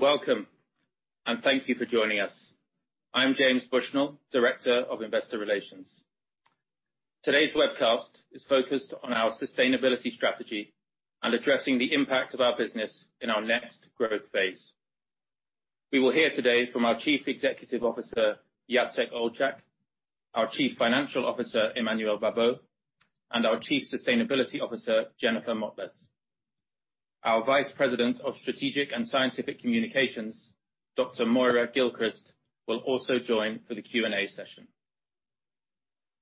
Welcome, and thank you for joining us. I'm James Bushnell, Director of Investor Relations. Today's webcast is focused on our sustainability strategy and addressing the impact of our business in our next growth phase. We will hear today from our Chief Executive Officer, Jacek Olczak, our Chief Financial Officer, Emmanuel Babeau, and our Chief Sustainability Officer, Jennifer Motles. Our Vice President of Strategic and Scientific Communications, Dr. Moira Gilchrist, will also join for the Q&A session.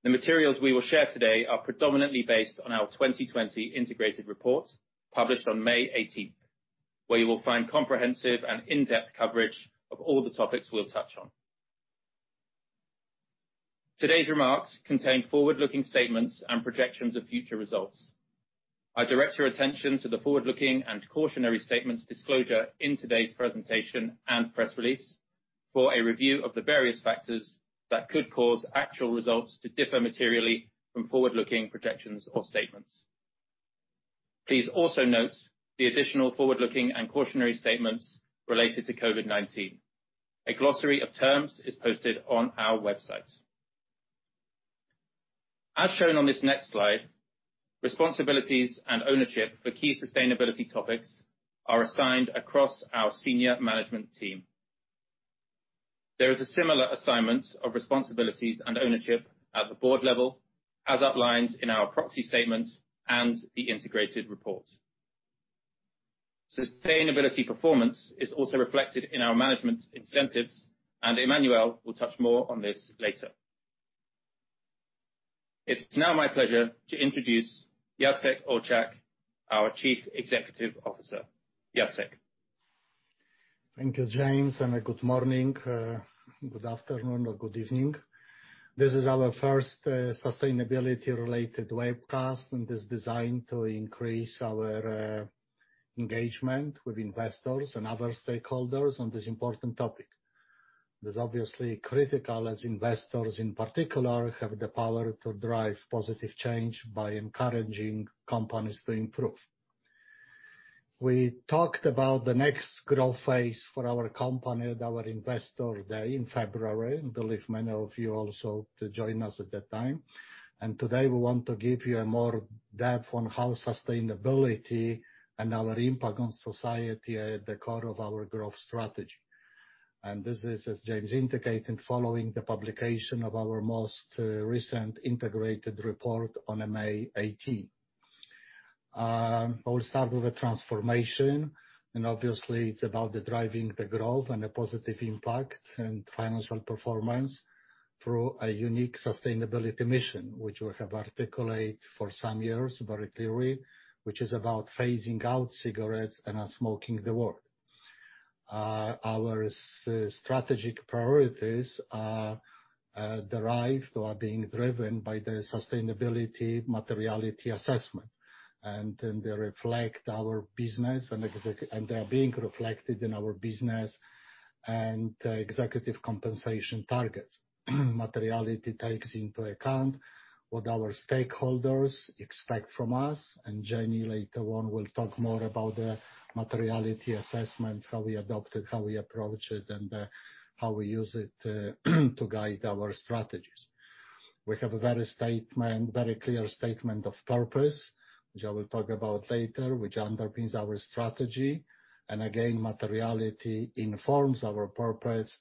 The materials we will share today are predominantly based on our 2020 integrated report, published on May 18th, where you will find comprehensive and in-depth coverage of all the topics we'll touch on. Today's remarks contain forward-looking statements and projections of future results. I direct your attention to the forward-looking and cautionary statements disclosure in today's presentation and press release for a review of the various factors that could cause actual results to differ materially from forward-looking projections or statements. Please also note the additional forward-looking and cautionary statements related to COVID-19. A glossary of terms is posted on our website. As shown on this next slide, responsibilities and ownership for key sustainability topics are assigned across our senior management team. There is a similar assignment of responsibilities and ownership at the board level as outlined in our proxy statement and the integrated report. Sustainability performance is also reflected in our management incentives, and Emmanuel will touch more on this later. It's now my pleasure to introduce Jacek Olczak, our Chief Executive Officer. Jacek. Thank you, James. Good morning, good afternoon, or good evening. This is our first sustainability-related webcast, and it's designed to increase our engagement with investors and other stakeholders on this important topic. It is obviously critical, as investors in particular have the power to drive positive change by encouraging companies to improve. We talked about the next growth phase for our company at our Investor Day in February. I believe many of you also joined us at the time, and today we want to give you more depth on how sustainability and our impact on society are at the core of our growth strategy. This is, as James indicated, following the publication of our most recent integrated report on May 18th. I will start with a transformation. Obviously, it's about driving the growth and a positive impact and financial performance through a unique sustainability mission, which we have articulated for some years very clearly, which is about phasing out cigarettes and ending smoking in the world. Our strategic priorities are derived or are being driven by the sustainability materiality assessment. They reflect our business, and they're being reflected in our business and executive compensation targets. Materiality takes into account what our stakeholders expect from us. Jenny later on will talk more about the materiality assessments, how we adopt it, how we approach it, and how we use it to guide our strategies. We have a very clear statement of purpose, which I will talk about later, which underpins our strategy. Again, materiality informs our purpose.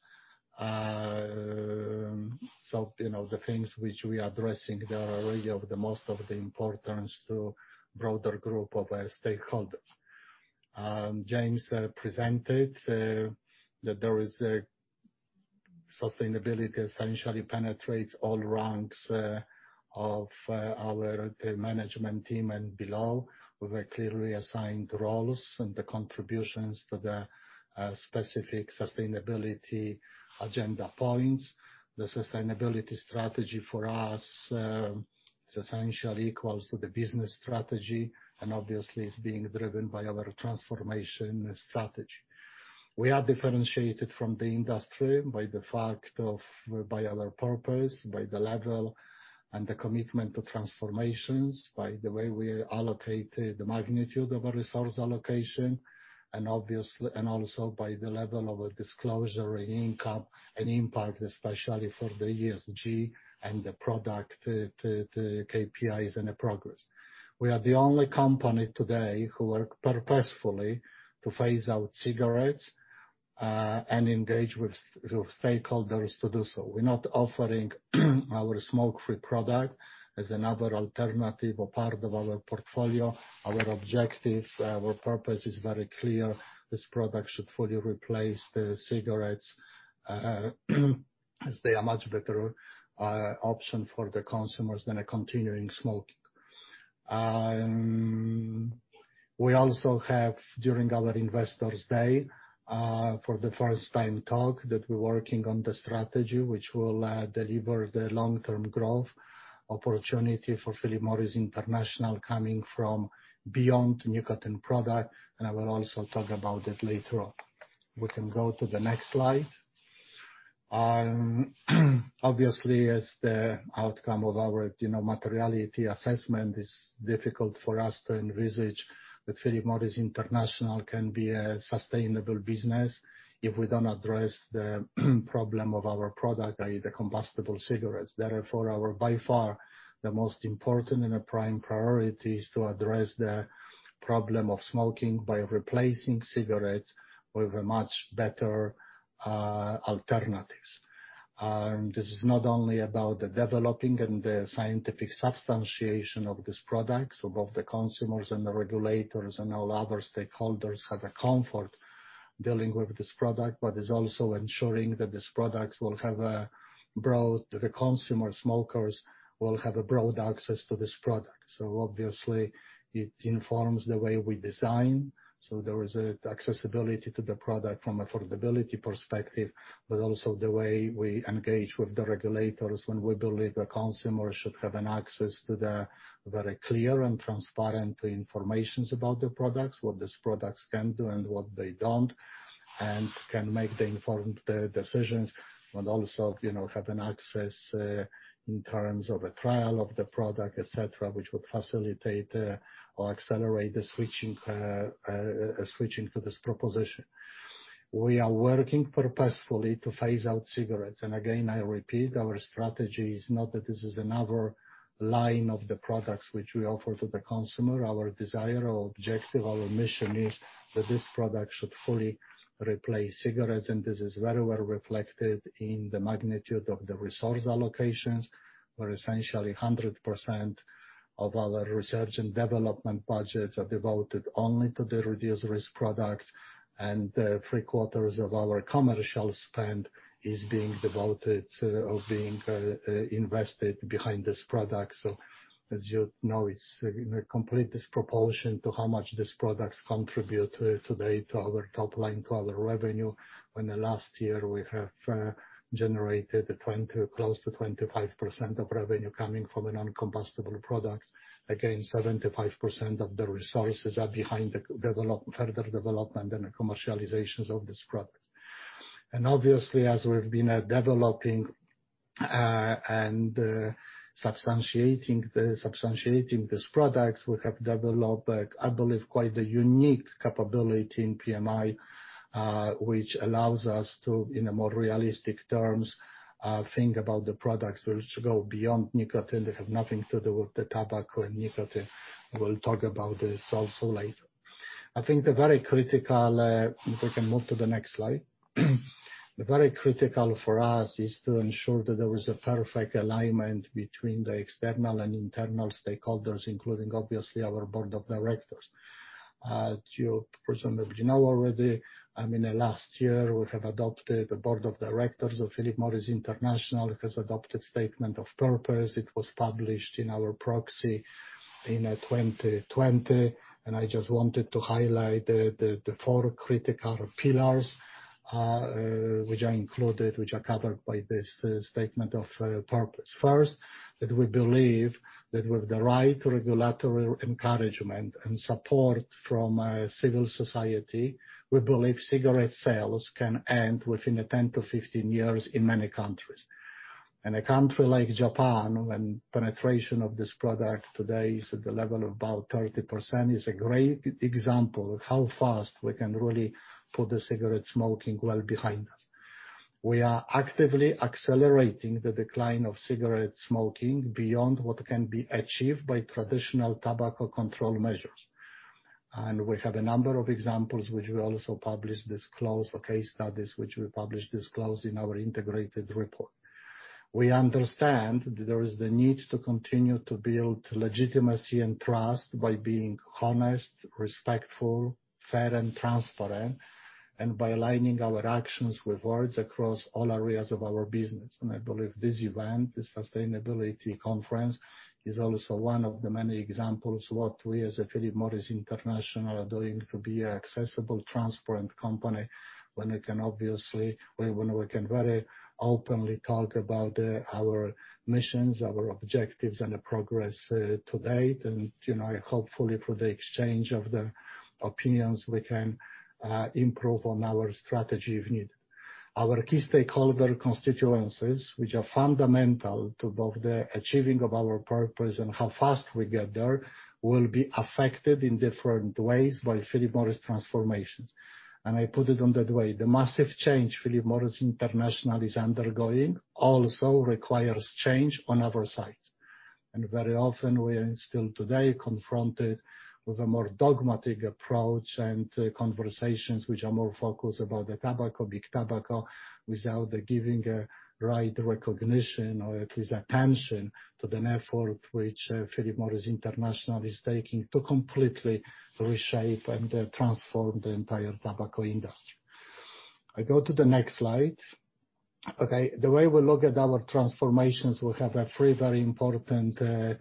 The things which we are addressing there are really of the most of importance to a broader group of our stakeholders. James presented that sustainability essentially penetrates all ranks of our management team and below, with clearly assigned roles and the contributions to the specific sustainability agenda points. The sustainability strategy for us is essentially equal to the business strategy and obviously is being driven by our transformation strategy. We are differentiated from the industry by our purpose, by the level and the commitment to transformations, by the way we allocate the magnitude of resource allocation, and also by the level of disclosure in income and impact, especially for the ESG and the product, the KPIs and progress. We are the only company today who work purposefully to phase out cigarettes, and engage with stakeholders to do so. We're not offering our smoke-free product as another alternative or part of our portfolio. Our objective, our purpose is very clear. This product should fully replace the cigarettes, as they are much better option for the consumers than continuing smoking. We also have, during our Investors Day, for the first time talk that we're working on the strategy, which will deliver the long-term growth opportunity for Philip Morris International coming from beyond nicotine product. I will also talk about it later on. We can go to the next slide. Obviously, as the outcome of our materiality assessment, it's difficult for us to envisage that Philip Morris International can be a sustainable business if we don't address the problem of our product, i.e., the combustible cigarettes. By far, the most important and the prime priority is to address the problem of smoking by replacing cigarettes with a much better alternative. This is not only about the developing and the scientific substantiation of these products, so both the consumers and the regulators and all other stakeholders have a comfort dealing with this product, but it is also ensuring that the consumer smokers will have a broad access to this product. Obviously, it informs the way we design. There is accessibility to the product from affordability perspective, but also the way we engage with the regulators when we believe the consumer should have an access to the very clear and transparent information about the products, what these products can do and what they don't, and can make the informed decisions. Also, have an access, in terms of a trial of the product, et cetera, which will facilitate or accelerate the switching to this proposition. We are working purposefully to phase out cigarettes. Again, I repeat, our strategy is not that this is another line of the products which we offer to the consumer. Our desire or objective, our mission is that this product should fully replace cigarettes, and this is very well reflected in the magnitude of the resource allocations, where essentially 100% of our research and development budgets are devoted only to the Reduced-Risk Products, and the three-quarters of our commercial spend is being devoted or being invested behind this product. As you know, it's in a complete disproportion to how much these products contribute today to our top line, to our revenue, when the last year we have generated close to 25% of revenue coming from the non-combustible products. Again, 75% of the resources are behind the further development and commercializations of this product. Obviously, as we've been developing and substantiating these products, we have developed, I believe, quite a unique capability in PMI, which allows us to, in a more realistic terms, think about the products which go beyond nicotine, that have nothing to do with the tobacco or nicotine. We'll talk about this also later. If we can move to the next slide. The very critical for us is to ensure that there is a perfect alignment between the external and internal stakeholders, including, obviously, our board of directors. As you personally know already, in the last year, the board of directors of Philip Morris International has adopted statement of purpose. It was published in our proxy in 2020. I just wanted to highlight the four critical pillars, which are covered by this statement of purpose. First, that we believe that with the right regulatory encouragement and support from civil society, we believe cigarette sales can end within 10-15 years in many countries. In a country like Japan, when penetration of this product today is at the level of about 30%, is a great example of how fast we can really put the cigarette smoking well behind us. We have a number of examples which we also publish, disclose case studies, which we publish, disclose in our integrated report. We understand that there is the need to continue to build legitimacy and trust by being honest, respectful, fair, and transparent, and by aligning our actions with words across all areas of our business. I believe this event, this sustainability conference, is also one of the many examples what we as Philip Morris International are doing to be an accessible, transparent company when we can very openly talk about our missions, our objectives, and progress to date. Hopefully, through the exchange of the opinions, we can improve on our strategy if need. Our key stakeholder constituencies, which are fundamental to both the achieving of our purpose and how fast we get there, will be affected in different ways by Philip Morris transformations. I put it on that way. The massive change Philip Morris International is undergoing also requires change on other sides. Very often, we are still today confronted with a more dogmatic approach and conversations which are more focused about the tobacco, big tobacco, without giving a right recognition or at least attention to the effort which Philip Morris International is taking to completely reshape and transform the entire tobacco industry. I go to the next slide. Okay. The way we look at our transformations, we have three very important axes.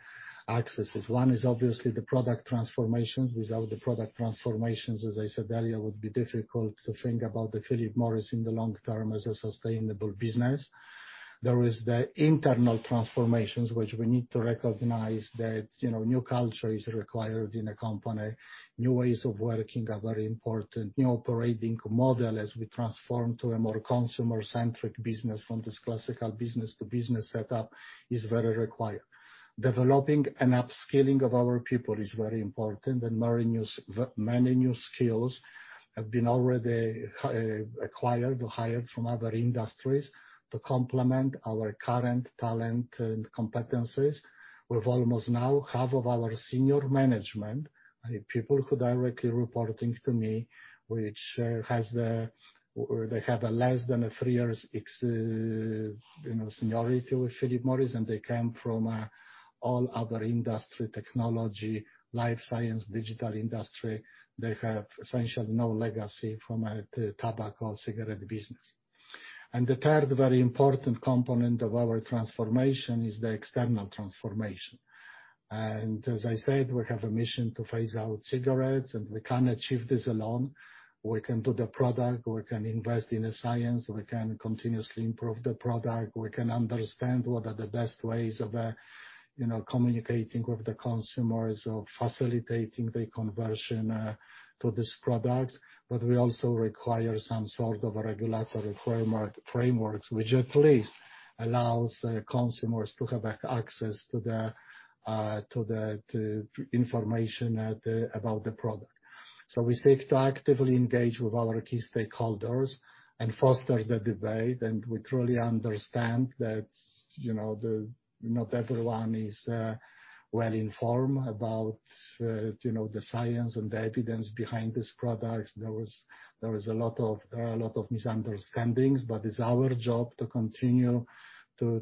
One is obviously the product transformations. Without the product transformations, as I said earlier, it would be difficult to think about the Philip Morris in the long term as a sustainable business. There is the internal transformations, which we need to recognize that new culture is required in a company. New ways of working are very important. New operating model as we transform to a more consumer-centric business from this classical business-to-business setup is very required. Developing and upskilling of our people is very important, and many new skills have been already acquired or hired from other industries to complement our current talent and competencies. We've almost now half of our senior management, people who are directly reporting to me, which they have a less than a three years seniority with Philip Morris International, and they came from all other industry technology, life science, digital industry. They have essentially no legacy from a tobacco or cigarette business. The third very important component of our transformation is the external transformation. As I said, we have a mission to phase out cigarettes, and we can't achieve this alone. We can do the product, we can invest in the science, we can continuously improve the product. We can understand what are the best ways of communicating with the consumers or facilitating the conversion to this product. We also require some sort of regulatory frameworks which at least allows consumers to have access to the information about the product. We seek to actively engage with our key stakeholders and foster the debate. We truly understand that not everyone is well-informed about the science and the evidence behind this product. There is a lot of misunderstandings, but it's our job to continue to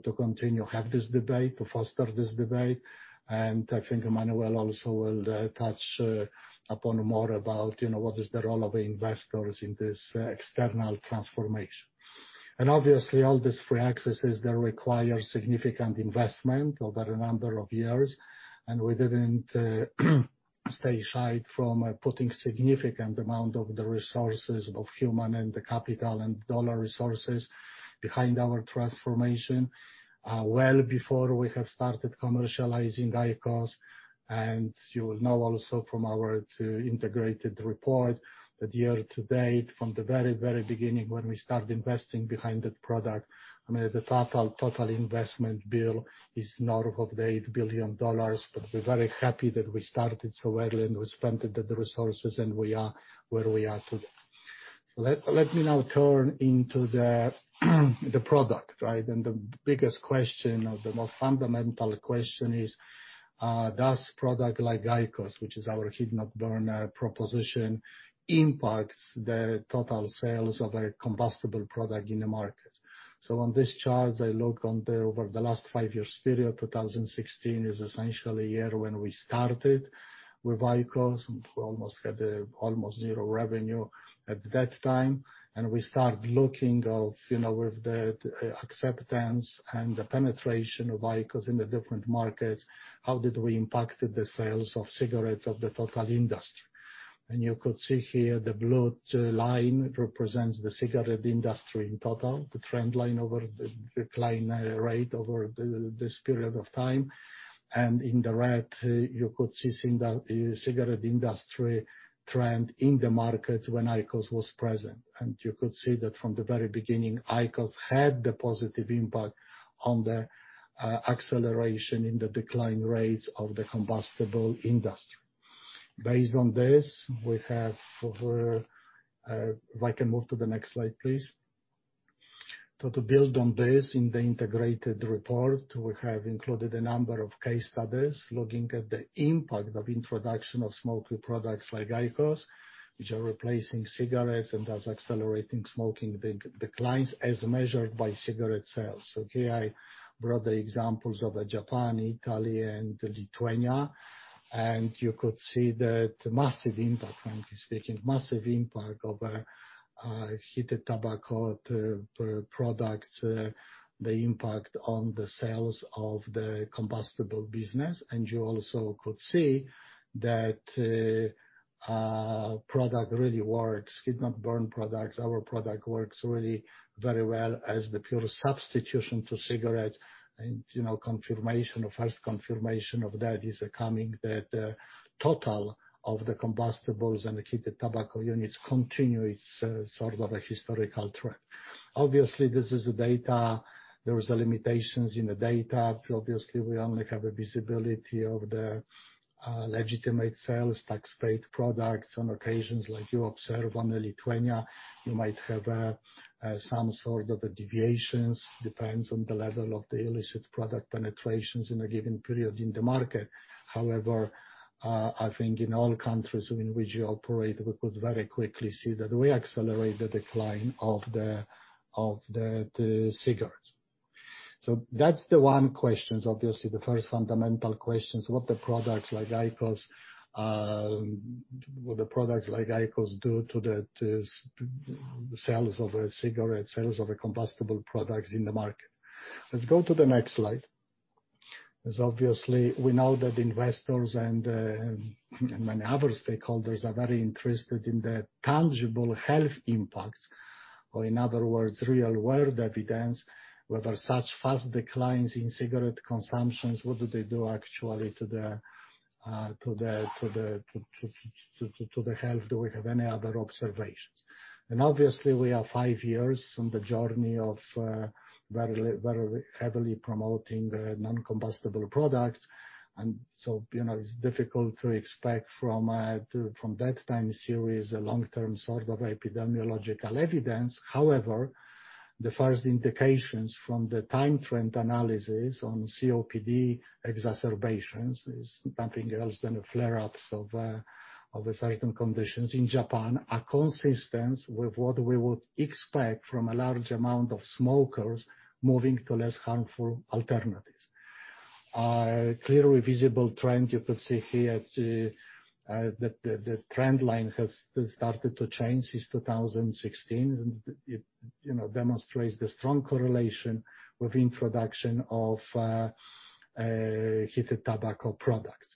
have this debate, to foster this debate. I think Emmanuel also will touch upon more about what is the role of investors in this external transformation. Obviously, all these free accesses, they require significant investment over a number of years. We didn't stay shy from putting significant amount of the resources of human and the capital and dollar resources behind our transformation well before we have started commercializing IQOS. You will know also from our integrated report that year to date, from the very beginning when we started investing behind the product, the total investment bill is north of $8 billion. We're very happy that we started so early and we spent the resources, and we are where we are today. Let me now turn into the product, right? The biggest question or the most fundamental question is, does product like IQOS, which is our heat-not-burn proposition, impact the total sales of a combustible product in the market? On this chart, I look on over the last five years period, 2016 is essentially a year when we started with IQOS. We almost had almost zero revenue at that time. We start looking of with the acceptance and the penetration of IQOS in the different markets, how did we impact the sales of cigarettes of the total industry. You could see here the blue line represents the cigarette industry in total, the trend line over the decline rate over this period of time. In the red, you could see cigarette industry trend in the markets when IQOS was present. You could see that from the very beginning, IQOS had the positive impact on the acceleration in the decline rates of the combustible industry. Based on this, If I can move to the next slide, please. To build on this, in the integrated report, we have included a number of case studies looking at the impact of introduction of smoke-free products like IQOS, which are replacing cigarettes and thus accelerating smoking declines as measured by cigarette sales. Here, I brought the examples of Japan, Italy, and Lithuania. You could see the massive impact, frankly speaking, massive impact of a heated tobacco product, the impact on the sales of the combustible business. You also could see that product really works. Heat-not-burn products, our product works really very well as the pure substitution to cigarettes. First confirmation of that is coming that the total of the combustibles and the heated tobacco units continue its sort of a historical trend. Obviously, this is a data. There is limitations in the data. Obviously, we only have a visibility of the legitimate sales, tax paid products. On occasions like you observe on Lithuania, you might have some sort of deviations, depends on the level of the illicit product penetrations in a given period in the market. I think in all countries in which we operate, we could very quickly see that we accelerate the decline of the cigarettes. That's the one question, obviously, the first fundamental question is what the products like IQOS do to the sales of a cigarette, sales of a combustible product in the market. Let's go to the next slide. Obviously, we know that investors and many other stakeholders are very interested in the tangible health impacts, or in other words, real-world evidence whether such fast declines in cigarette consumptions, what do they do actually to the health? Do we have any other observations? Obviously, we are five years from the journey of very heavily promoting the non-combustible products. It's difficult to expect from that time series a long-term sort of epidemiological evidence. However, the first indications from the time trend analysis on COPD exacerbations is nothing else than flare-ups of certain conditions in Japan, are consistent with what we would expect from a large amount of smokers moving to less harmful alternatives. Clearly visible trend, you can see here, the trend line has started to change since 2016. It demonstrates the strong correlation with introduction of heated tobacco products.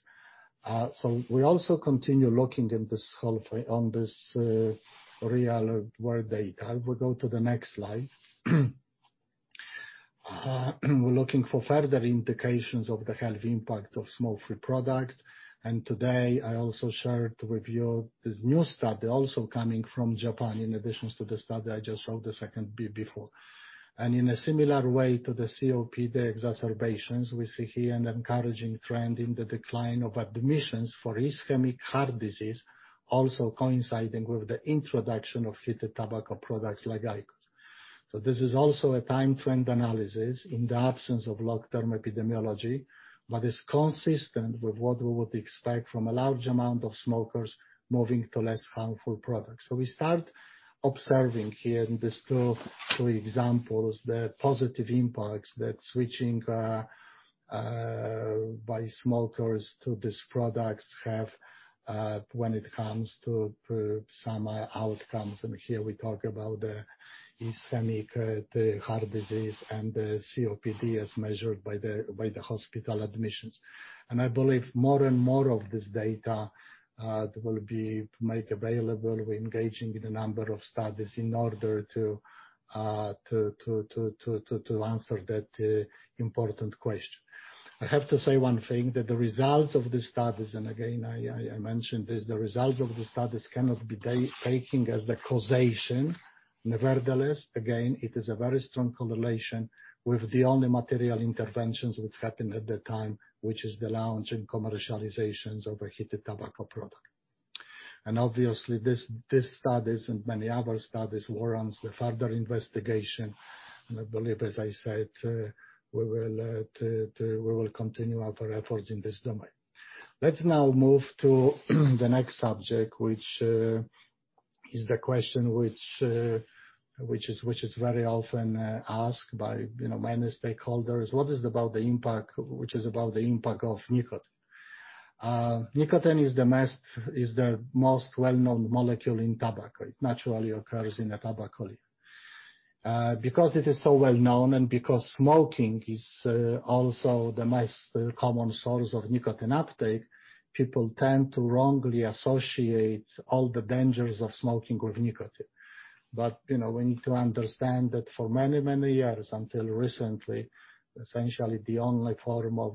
We also continue looking at this whole thing on this real world data. We go to the next slide. We're looking for further indications of the health impact of smoke-free products. Today, I also share with you this new study also coming from Japan, in addition to the study I just showed the second bit before. In a similar way to the COPD exacerbations, we see here an encouraging trend in the decline of admissions for ischemic heart disease, also coinciding with the introduction of heated tobacco products like IQOS. This is also a time trend analysis in the absence of long-term epidemiology, but is consistent with what we would expect from a large amount of smokers moving to less harmful products. We start observing here in these two, three examples, the positive impacts that switching by smokers to these products have when it comes to some outcomes. Here we talk about the ischemic, the heart disease, and the COPD as measured by the hospital admissions. I believe more and more of this data will be made available. We're engaging in a number of studies in order to answer that important question. I have to say one thing, that the results of the studies, and again, I mentioned this, the results of the studies cannot be taken as the causation. Nevertheless, again, it is a very strong correlation with the only material interventions which happened at the time, which is the launch and commercializations of heated tobacco product. Obviously, these studies and many other studies warrants a further investigation. I believe, as I said, we will continue our efforts in this domain. Let's now move to the next subject, which is the question which is very often asked by many stakeholders. What is about the impact of nicotine? Nicotine is the most well-known molecule in tobacco. It naturally occurs in the tobacco leaf. Because it is so well known and because smoking is also the most common source of nicotine uptake, people tend to wrongly associate all the dangers of smoking with nicotine. We need to understand that for many, many years until recently, essentially, the only form of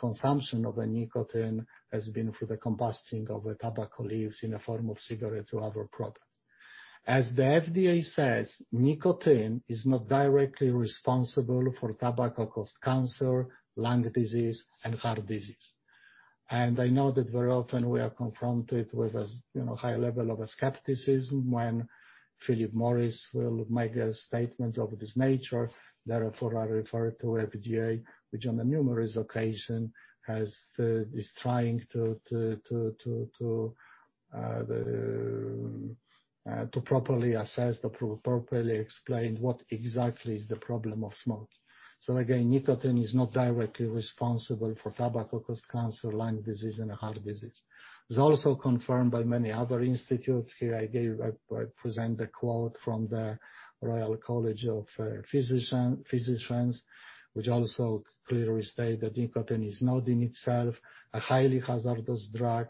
consumption of nicotine has been through the combusting of the tobacco leaves in the form of cigarettes or other products. As the FDA says, nicotine is not directly responsible for tobacco-caused cancer, lung disease, and heart disease. I know that very often we are confronted with a high level of skepticism when Philip Morris will make a statement of this nature, therefore I refer to FDA, which on a numerous occasion is trying to properly assess or properly explain what exactly is the problem of smoking. Again, nicotine is not directly responsible for tobacco-caused cancer, lung disease, and heart disease. It's also confirmed by many other institutes. Here I present a quote from the Royal College of Physicians, which also clearly state that nicotine is not in itself a highly hazardous drug,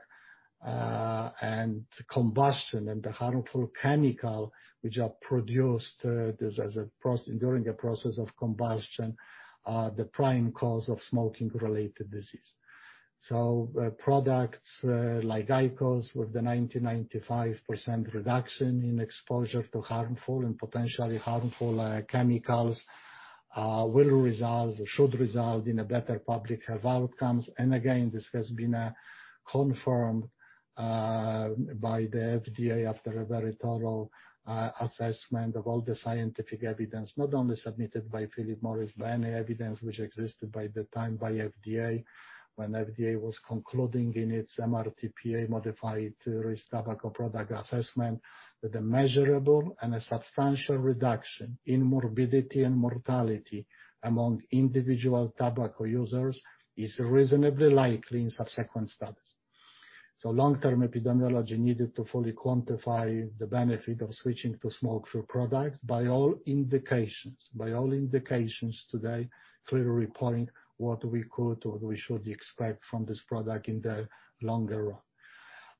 and combustion and the harmful chemical which are produced during the process of combustion are the prime cause of smoking-related disease. Products like IQOS with the 90%-95% reduction in exposure to harmful and potentially harmful chemicals will result or should result in a better public health outcome. Again, this has been confirmed by the FDA after a very thorough assessment of all the scientific evidence, not only submitted by Philip Morris, but any evidence which existed by the time by FDA, when FDA was concluding in its MRTP, modified risk tobacco product assessment, that a measurable and a substantial reduction in morbidity and mortality among individual tobacco users is reasonably likely in subsequent studies. Long-term epidemiology needed to fully quantify the benefit of switching to smoke-free products. By all indications today, clearly point what we could or we should expect from this product in the longer run.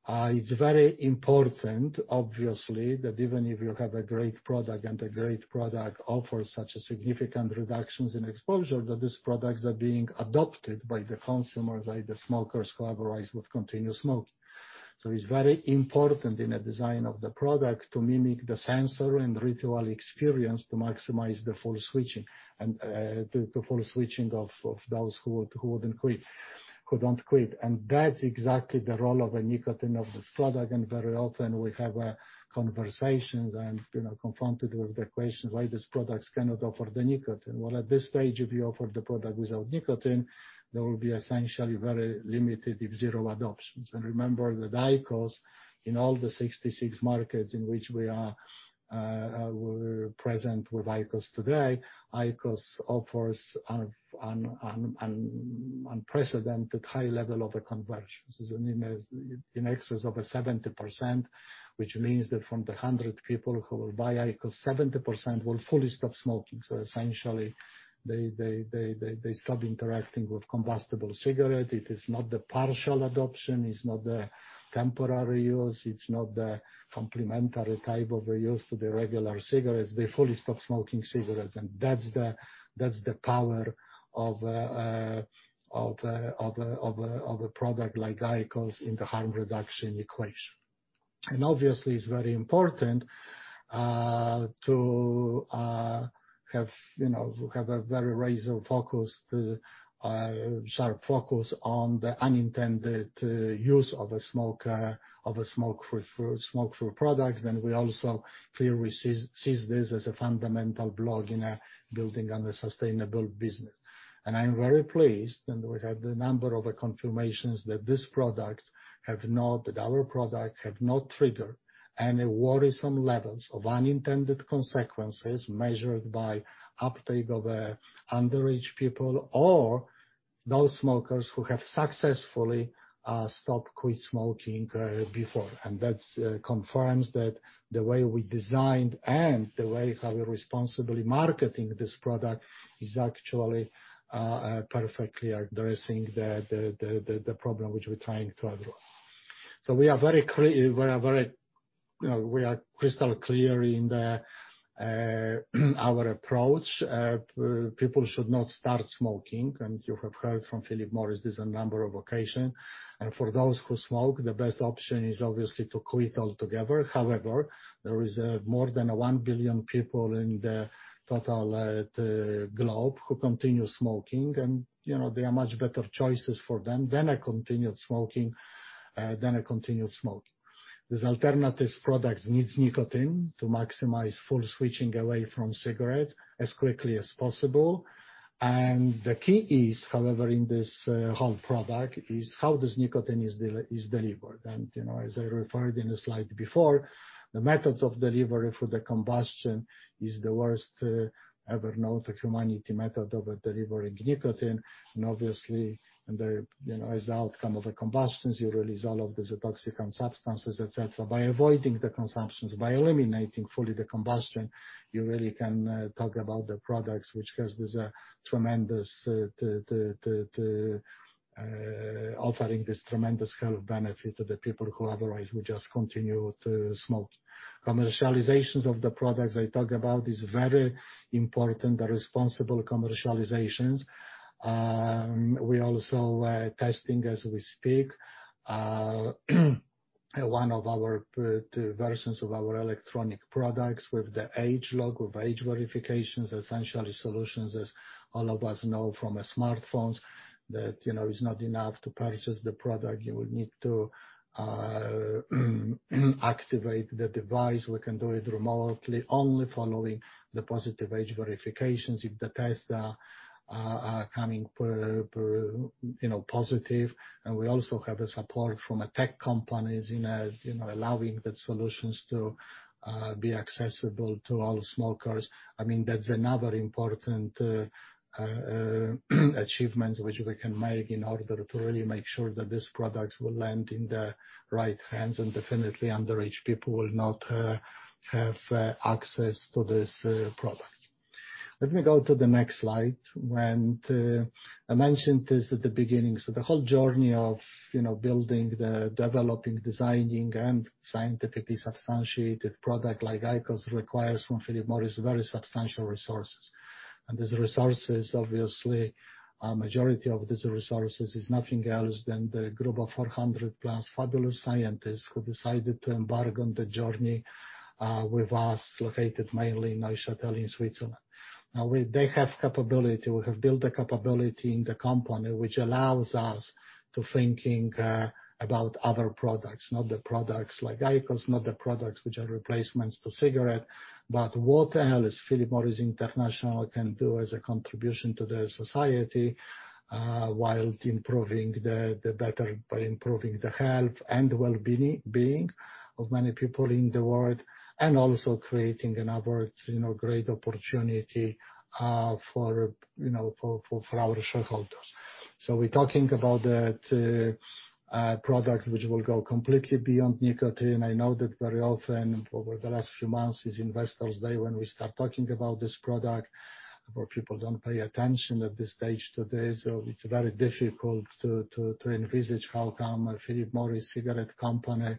It is very important, obviously, that even if you have a great product, and a great product offers such significant reductions in exposure, that these products are being adopted by the consumers, by the smokers who otherwise would continue smoking. It's very important in the design of the product to mimic the sensory and ritual experience to maximize the full switching, and the full switching of those who wouldn't quit, who don't quit. That's exactly the role of the nicotine of this product. Very often we have conversations and confronted with the question, why these products cannot offer the nicotine. Well, at this stage, if you offer the product without nicotine, there will be essentially very limited, if zero, adoptions. Remember that IQOS, in all the 66 markets in which we are present with IQOS today, IQOS offers an unprecedented high level of conversions. In excess of 70%, which means that from the 100 people who will buy IQOS, 70% will fully stop smoking. Essentially, they stop interacting with combustible cigarettes. It is not the partial adoption, it's not the temporary use, it's not the complementary type of use to the regular cigarettes. They fully stop smoking cigarettes, that's the power of a product like IQOS in the harm reduction equation. Obviously, it's very important to have a very razor-sharp focus on the unintended use of a smoke-free product. We also clearly see this as a fundamental block in building a sustainable business. I'm very pleased, we have the number of confirmations that our product have not triggered any worrisome levels of unintended consequences measured by uptake of underage people or non-smokers who have successfully stopped quit smoking before. That confirms that the way we designed and the way we are responsibly marketing this product is actually perfectly addressing the problem which we're trying to address. We are crystal clear in our approach. People should not start smoking, you have heard from Philip Morris this in a number of occasion. For those who smoke, the best option is obviously to quit altogether. However, there is more than 1 billion people in the total globe who continue smoking, there are much better choices for them than a continued smoking. These alternative products needs nicotine to maximize full switching away from cigarettes as quickly as possible. The key is, however, in this whole product, is how this nicotine is delivered. As I referred in the slide before, the methods of delivery for the combustion is the worst ever known to humanity method of delivering nicotine. Obviously, as outcome of the combustions, you release all of these toxicant substances, et cetera. By avoiding the consumptions, by eliminating fully the combustion, you really can talk about the products which has this tremendous, offering this tremendous health benefit to the people who otherwise will just continue to smoke. Commercialization of the products I talk about is very important, the responsible commercializations. We're also testing, as we speak, one of our versions of our electronic products with the age log or age verifications. Essentially solutions, as all of us know from our smartphones, that it's not enough to purchase the product. You would need to activate the device. We can do it remotely, only following the positive age verifications if the tests are coming positive. We also have the support from tech companies in allowing the solutions to be accessible to all smokers. That's another important achievement which we can make in order to really make sure that this product will land in the right hands and definitely underage people will not have access to this product. Let me go to the next slide. I mentioned this at the beginning. The whole journey of building, developing, designing and scientifically substantiated product like IQOS requires from Philip Morris very substantial resources. These resources, obviously, majority of these resources is nothing else than the group of 400 plus fabulous scientists who decided to embark on the journey, with us located mainly in Neuchâtel in Switzerland. Now, they have capability. We have built a capability in the company, which allows us to thinking about other products. Not the products like IQOS, not the products which are replacements for cigarette. What else Philip Morris International can do as a contribution to the society, while improving the better, by improving the health and well-being of many people in the world, and also creating another great opportunity for our shareholders. We're talking about the products which will go completely beyond nicotine. I know that very often over the last few months, it's investors day when we start talking about this product, but people don't pay attention at this stage today. It's very difficult to envisage how come a Philip Morris cigarette company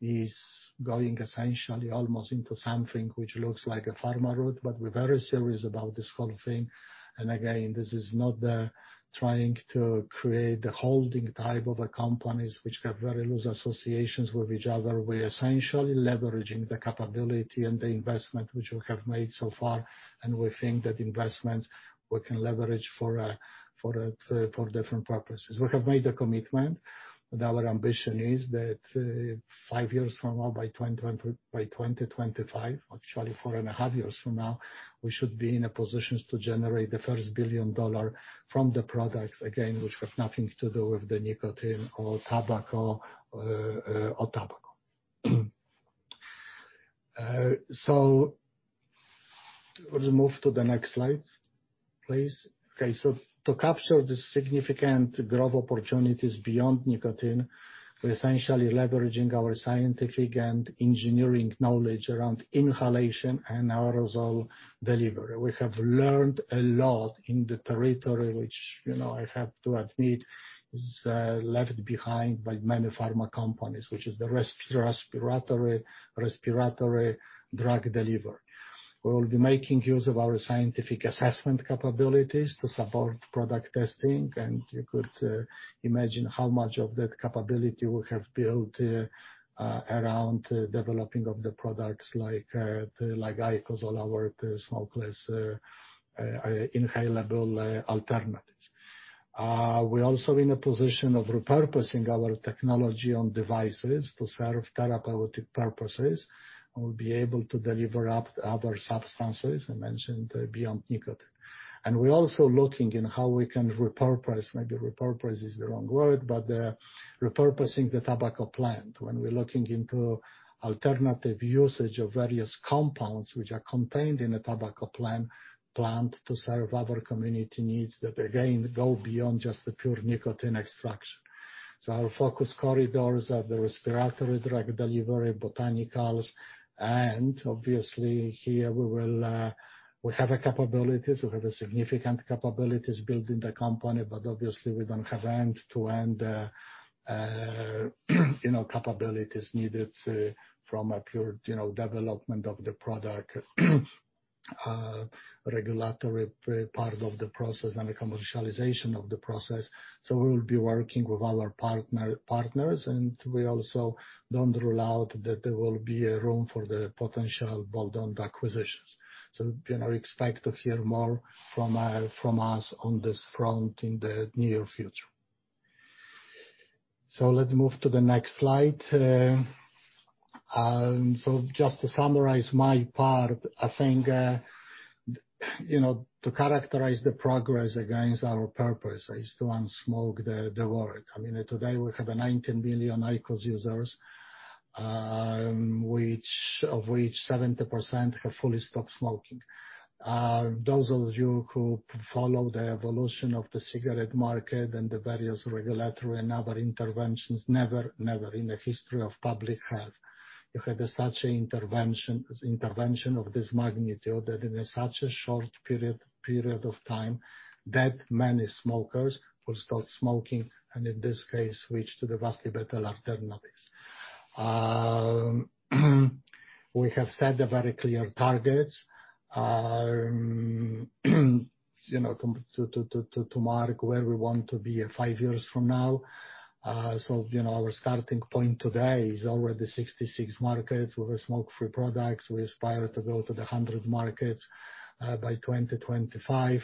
is going essentially almost into something which looks like a pharma route. We're very serious about this whole thing. Again, this is not trying to create a holding type of a companies which have very loose associations with each other. We're essentially leveraging the capability and the investment which we have made so far, and we think that investments we can leverage for different purposes. We have made a commitment, and our ambition is that five years from now, by 2025, actually four and a half years from now, we should be in a position to generate the first billion-dollar from the products, again, which have nothing to do with nicotine or tobacco. Let's move to the next slide, please. Okay, to capture the significant growth opportunities beyond nicotine, we're essentially leveraging our scientific and engineering knowledge around inhalation and aerosol delivery. We have learned a lot in the territory, which I have to admit, is left behind by many pharma companies, which is the respiratory drug delivery. We will be making use of our scientific assessment capabilities to support product testing, and you could imagine how much of that capability we have built around developing of the products like IQOS or our smoke-free inhalable alternatives. We're also in a position of repurposing our technology on devices to serve therapeutic purposes, and we'll be able to deliver other substances, I mentioned, beyond nicotine. We're also looking in how we can repurpose, maybe repurpose is the wrong word, but repurposing the tobacco plant, when we're looking into alternative usage of various compounds which are contained in a tobacco plant to serve other community needs that again, go beyond just the pure nicotine extraction. Our focus corridors are the respiratory drug delivery, botanicals, and obviously here we have a capabilities, we have a significant capabilities built in the company, but obviously we don't have end-to-end capabilities needed from a pure development of the product, regulatory part of the process, and the commercialization of the process. We will be working with other partners, and we also don't rule out that there will be a room for the potential bolt-on acquisitions. Expect to hear more from us on this front in the near future. Let's move to the next slide. Just to summarize my part, I think, to characterize the progress against our purpose is to unsmoke the world. I mean, today we have 19 million IQOS users, of which 70% have fully stopped smoking. Those of you who follow the evolution of the cigarette market and the various regulatory and other interventions, never in the history of public health have had such intervention of this magnitude, that in such a short period of time, that many smokers will stop smoking, and in this case, switch to the vastly better alternatives. We have set the very clear targets, to mark where we want to be five years from now. Our starting point today is already 66 markets with our smoke-free products. We aspire to go to the 100 markets by 2025.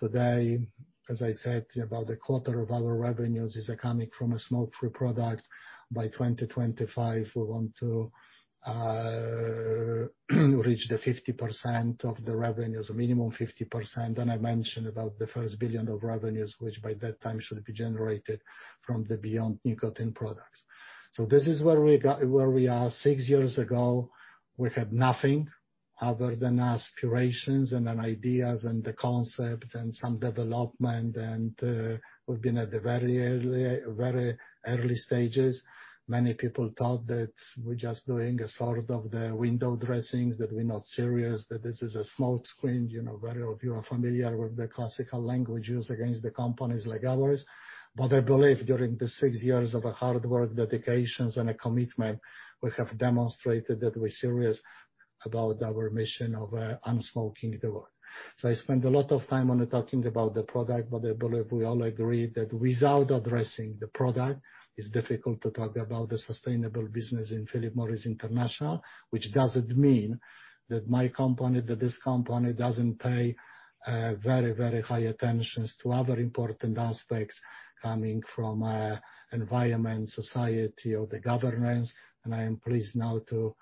Today, as I said, about a quarter of our revenues is coming from smoke-free products. By 2025, we want to reach the 50% of the revenues, a minimum of 50%. I mentioned about the $1 billion of revenues, which by that time should be generated from the beyond nicotine products. This is where we are. Six years ago, we had nothing other than aspirations and ideas and the concept and some development, and we've been at the very early stages. Many people thought that we're just doing a sort of the window dressings, that we're not serious, that this is a smoke screen. Many of you are familiar with the classical language used against the companies like ours. I believe during the six years of hard work, dedications, and a commitment, we have demonstrated that we're serious about our mission of unsmoking the world. I spent a lot of time on talking about the product, but I believe we all agree that without addressing the product, it's difficult to talk about the sustainable business in Philip Morris International, which doesn't mean that my company, that this company doesn't pay very high attention to other important aspects coming from environment, society, or the governance. I am pleased now to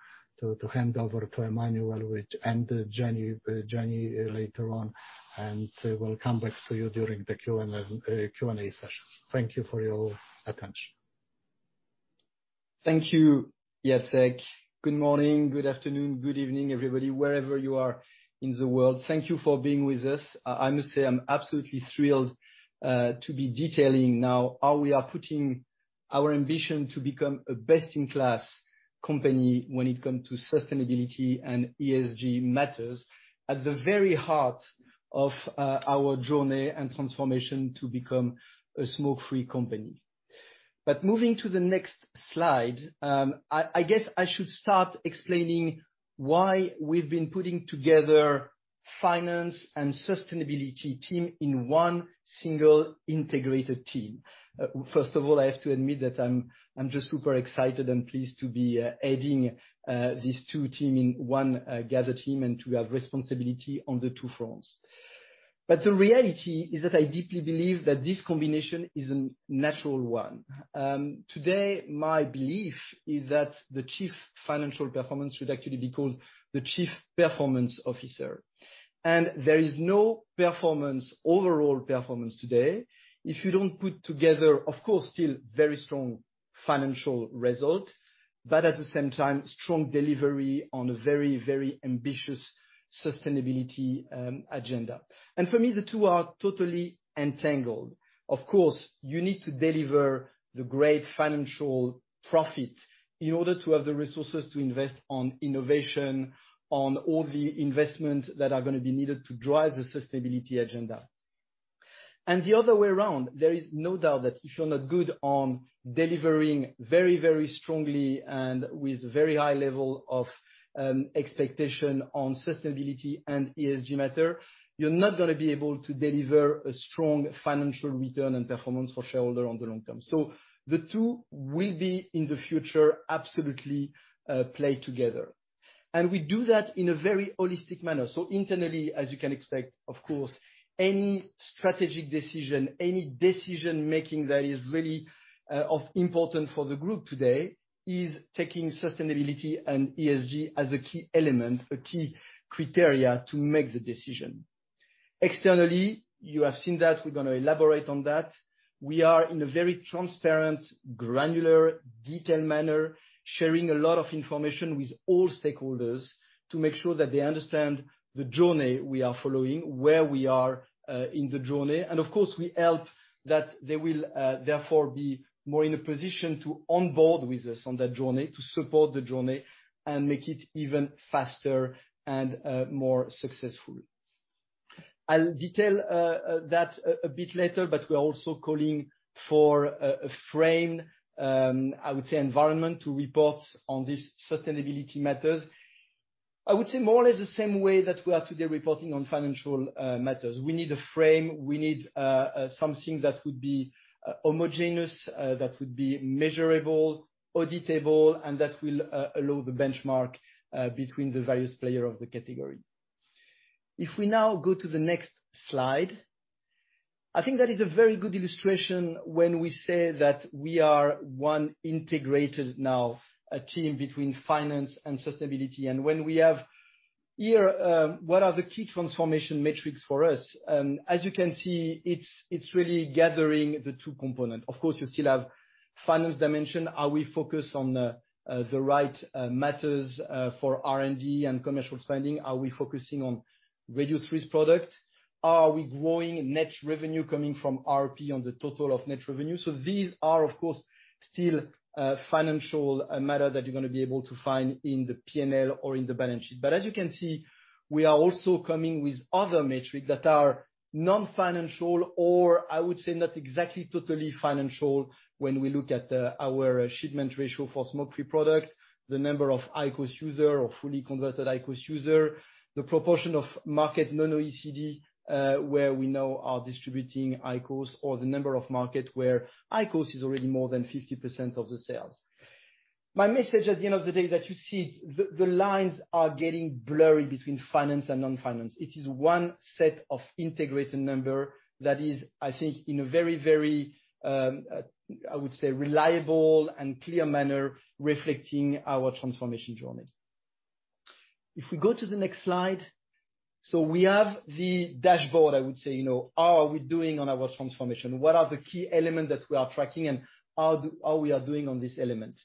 hand over to Emmanuel, and then Jenny later on, and we'll come back to you during the Q&A session. Thank you for your attention. Thank you, Jacek. Good morning, good afternoon, good evening, everybody, wherever you are in the world. Thank you for being with us. I must say, I'm absolutely thrilled to be detailing now how we are putting our ambition to become a best-in-class company when it comes to sustainability and ESG matters at the very heart of our journey and transformation to become a smoke-free company. Moving to the next slide, I guess I should start explaining why we've been putting together finance and sustainability team in one single integrated team. First of all, I have to admit that I'm just super excited and pleased to be heading these two team in one gathered team and to have responsibility on the two fronts. The reality is that I deeply believe that this combination is a natural one. Today, my belief is that the chief financial performance should actually be called the Chief Performance Officer. There is no performance, overall performance today, if you don't put together, of course, still very strong financial results, but at the same time, strong delivery on a very, very ambitious sustainability agenda. For me, the two are totally entangled. Of course, you need to deliver the great financial profit in order to have the resources to invest on innovation, on all the investments that are going to be needed to drive the sustainability agenda. The other way around, there is no doubt that if you're not good on delivering very, very strongly and with very high level of expectation on sustainability and ESG matter, you're not going to be able to deliver a strong financial return and performance for shareholder on the long term. The two will be, in the future, absolutely play together. We do that in a very holistic manner. Internally, as you can expect, of course, any strategic decision, any decision-making that is really of important for the group today is taking sustainability and ESG as a key element, a key criteria to make the decision. Externally, you have seen that, we're going to elaborate on that. We are in a very transparent, granular, detailed manner, sharing a lot of information with all stakeholders to make sure that they understand the journey we are following, where we are in the journey. Of course, we help that they will therefore be more in a position to onboard with us on that journey, to support the journey and make it even faster and more successfully. I'll detail that a bit later, but we're also calling for a frame, I would say, environment to report on these sustainability matters. I would say more or less the same way that we are today reporting on financial matters. We need a frame, we need something that would be homogeneous, that would be measurable, auditable, and that will allow the benchmark between the various player of the category. If we now go to the next slide. I think that is a very good illustration when we say that we are one integrated now team between finance and sustainability. When we have here, what are the key transformation metrics for us? As you can see, it's really gathering the two component. Of course, you still have finance dimension. Are we focused on the right matters for R&D and commercial spending? Are we focusing on Reduced-Risk Products? Are we growing net revenue coming from RRP on the total of net revenue? These are, of course, still a financial matter that you're going to be able to find in the P&L or in the balance sheet. As you can see, we are also coming with other metrics that are non-financial, or I would say not exactly totally financial when we look at our shipment ratio for smoke-free product, the number of IQOS user or fully converted IQOS user, the proportion of market in non-OECD, where we now are distributing IQOS, or the number of market where IQOS is already more than 50% of the sales. My message at the end of the day is that you see the lines are getting blurry between finance and non-finance. It is one set of integrated number that is, I think, in a very, very, I would say, reliable and clear manner reflecting our transformation journey. If we go to the next slide. We have the dashboard, I would say. How are we doing on our transformation? What are the key elements that we are tracking, and how we are doing on these elements?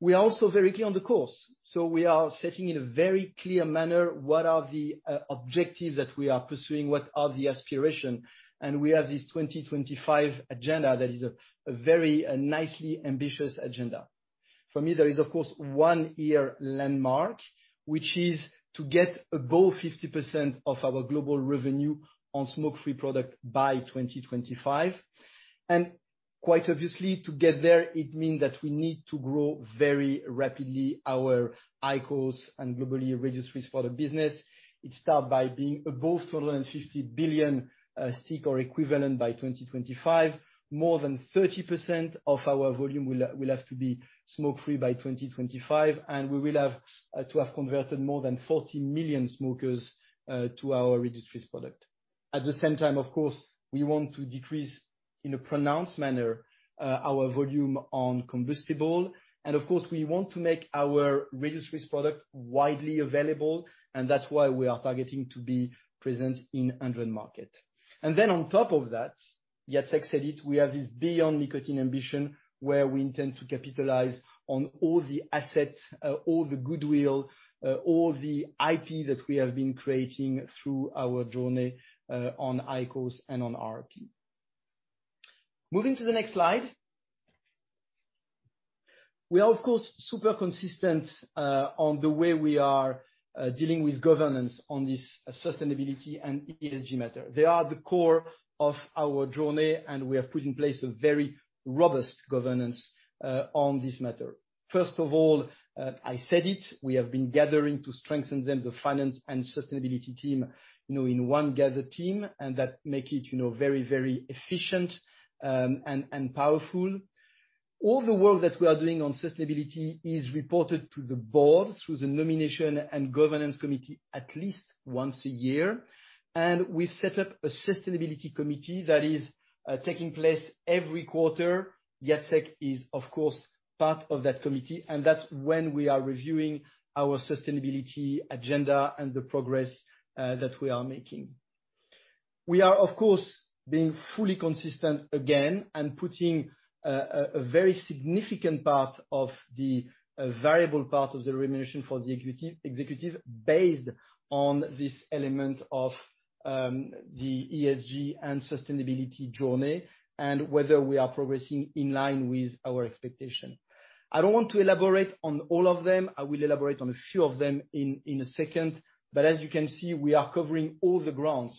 We are also very clear on the course. We are setting in a very clear manner what are the objectives that we are pursuing, what are the aspiration, and we have this 2025 agenda that is a very nicely ambitious agenda. For me, there is, of course, one-year landmark, which is to get above 50% of our global revenue on smoke-free product by 2025. Quite obviously, to get there, it means that we need to grow very rapidly our IQOS and globally reduced-risk for the business. It start by being above 450 billion stick or equivalent by 2025. More than 30% of our volume will have to be smoke-free by 2025, and we will have to have converted more than 40 million smokers to our reduced-risk product. At the same time, of course, we want to decrease in a pronounced manner our volume on combustible. Of course, we want to make our reduced-risk product widely available, and that's why we are targeting to be present in 100 market. Then on top of that, Jacek said it, we have this beyond nicotine ambition where we intend to capitalize on all the assets, all the goodwill, all the IP that we have been creating through our journey on IQOS and on RRP. Moving to the next slide. We are, of course, super consistent on the way we are dealing with governance on this sustainability and ESG matter. They are the core of our journey, and we are putting in place a very robust governance on this matter. First of all, I said it, we have been gathering to strengthen the finance and sustainability team in one gathered team, and that make it very efficient and powerful. All the work that we are doing on sustainability is reported to the board through the nomination and governance committee at least once a year. We've set up a sustainability committee that is taking place every quarter. Jacek is, of course, part of that committee, and that's when we are reviewing our sustainability agenda and the progress that we are making. We are, of course, being fully consistent again and putting a very significant part of the variable part of the remuneration for the executive based on this element of the ESG and sustainability journey, and whether we are progressing in line with our expectation. I don't want to elaborate on all of them. I will elaborate on a few of them in a second. As you can see, we are covering all the ground.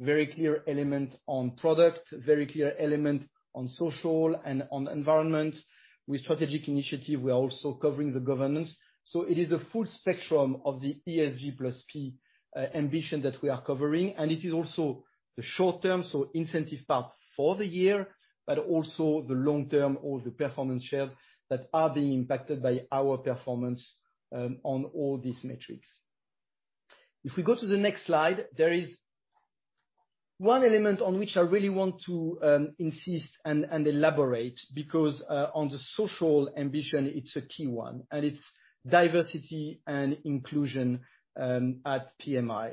Very clear element on product, very clear element on social and on environment. With strategic initiative, we're also covering the governance. It is a full spectrum of the ESG plus Key Ambition that we are covering. It is also the short-term, so incentive part for the year, but also the long-term or the performance share that are being impacted by our performance on all these metrics. If we go to the next slide, there is one element on which I really want to insist and elaborate, because on the social ambition, it's a key one, it's diversity and inclusion at PMI.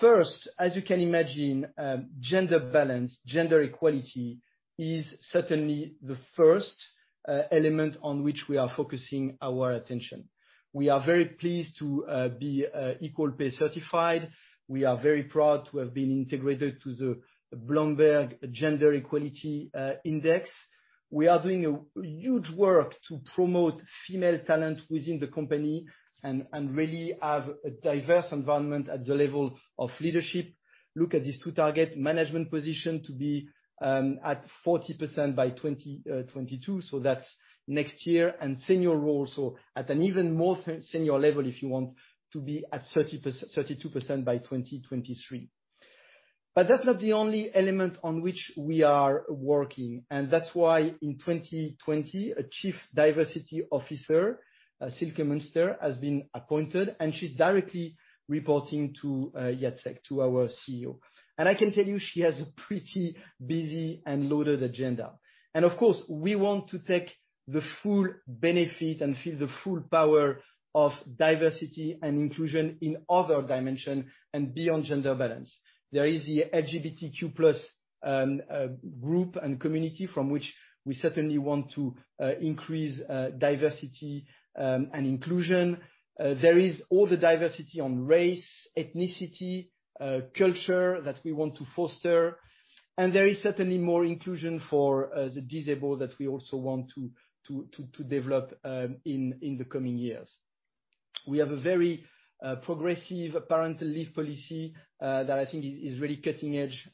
First, as you can imagine, gender balance, gender equality is certainly the first element on which we are focusing our attention. We are very pleased to be equal pay certified. We are very proud to have been integrated to the Bloomberg Gender-Equality Index. We are doing a huge work to promote female talent within the company and really have a diverse environment at the level of leadership. Look at these two target, management position to be at 40% by 2022. That's next year. Senior role, so at an even more senior level, if you want, to be at 32% by 2023. That's not the only element on which we are working. That's why in 2020, a Chief Diversity Officer, Silke Muenster, has been appointed, and she's directly reporting to Jacek, to our CEO. I can tell you, she has a pretty busy and loaded agenda. Of course, we want to take the full benefit and feel the full power of diversity and inclusion in other dimension and beyond gender balance. There is the LGBTQ+ group and community from which we certainly want to increase diversity and inclusion. There is all the diversity on race, ethnicity, culture that we want to foster, and there is certainly more inclusion for the disabled that we also want to develop in the coming years. We have a very progressive parental leave policy that I think is really cutting-edge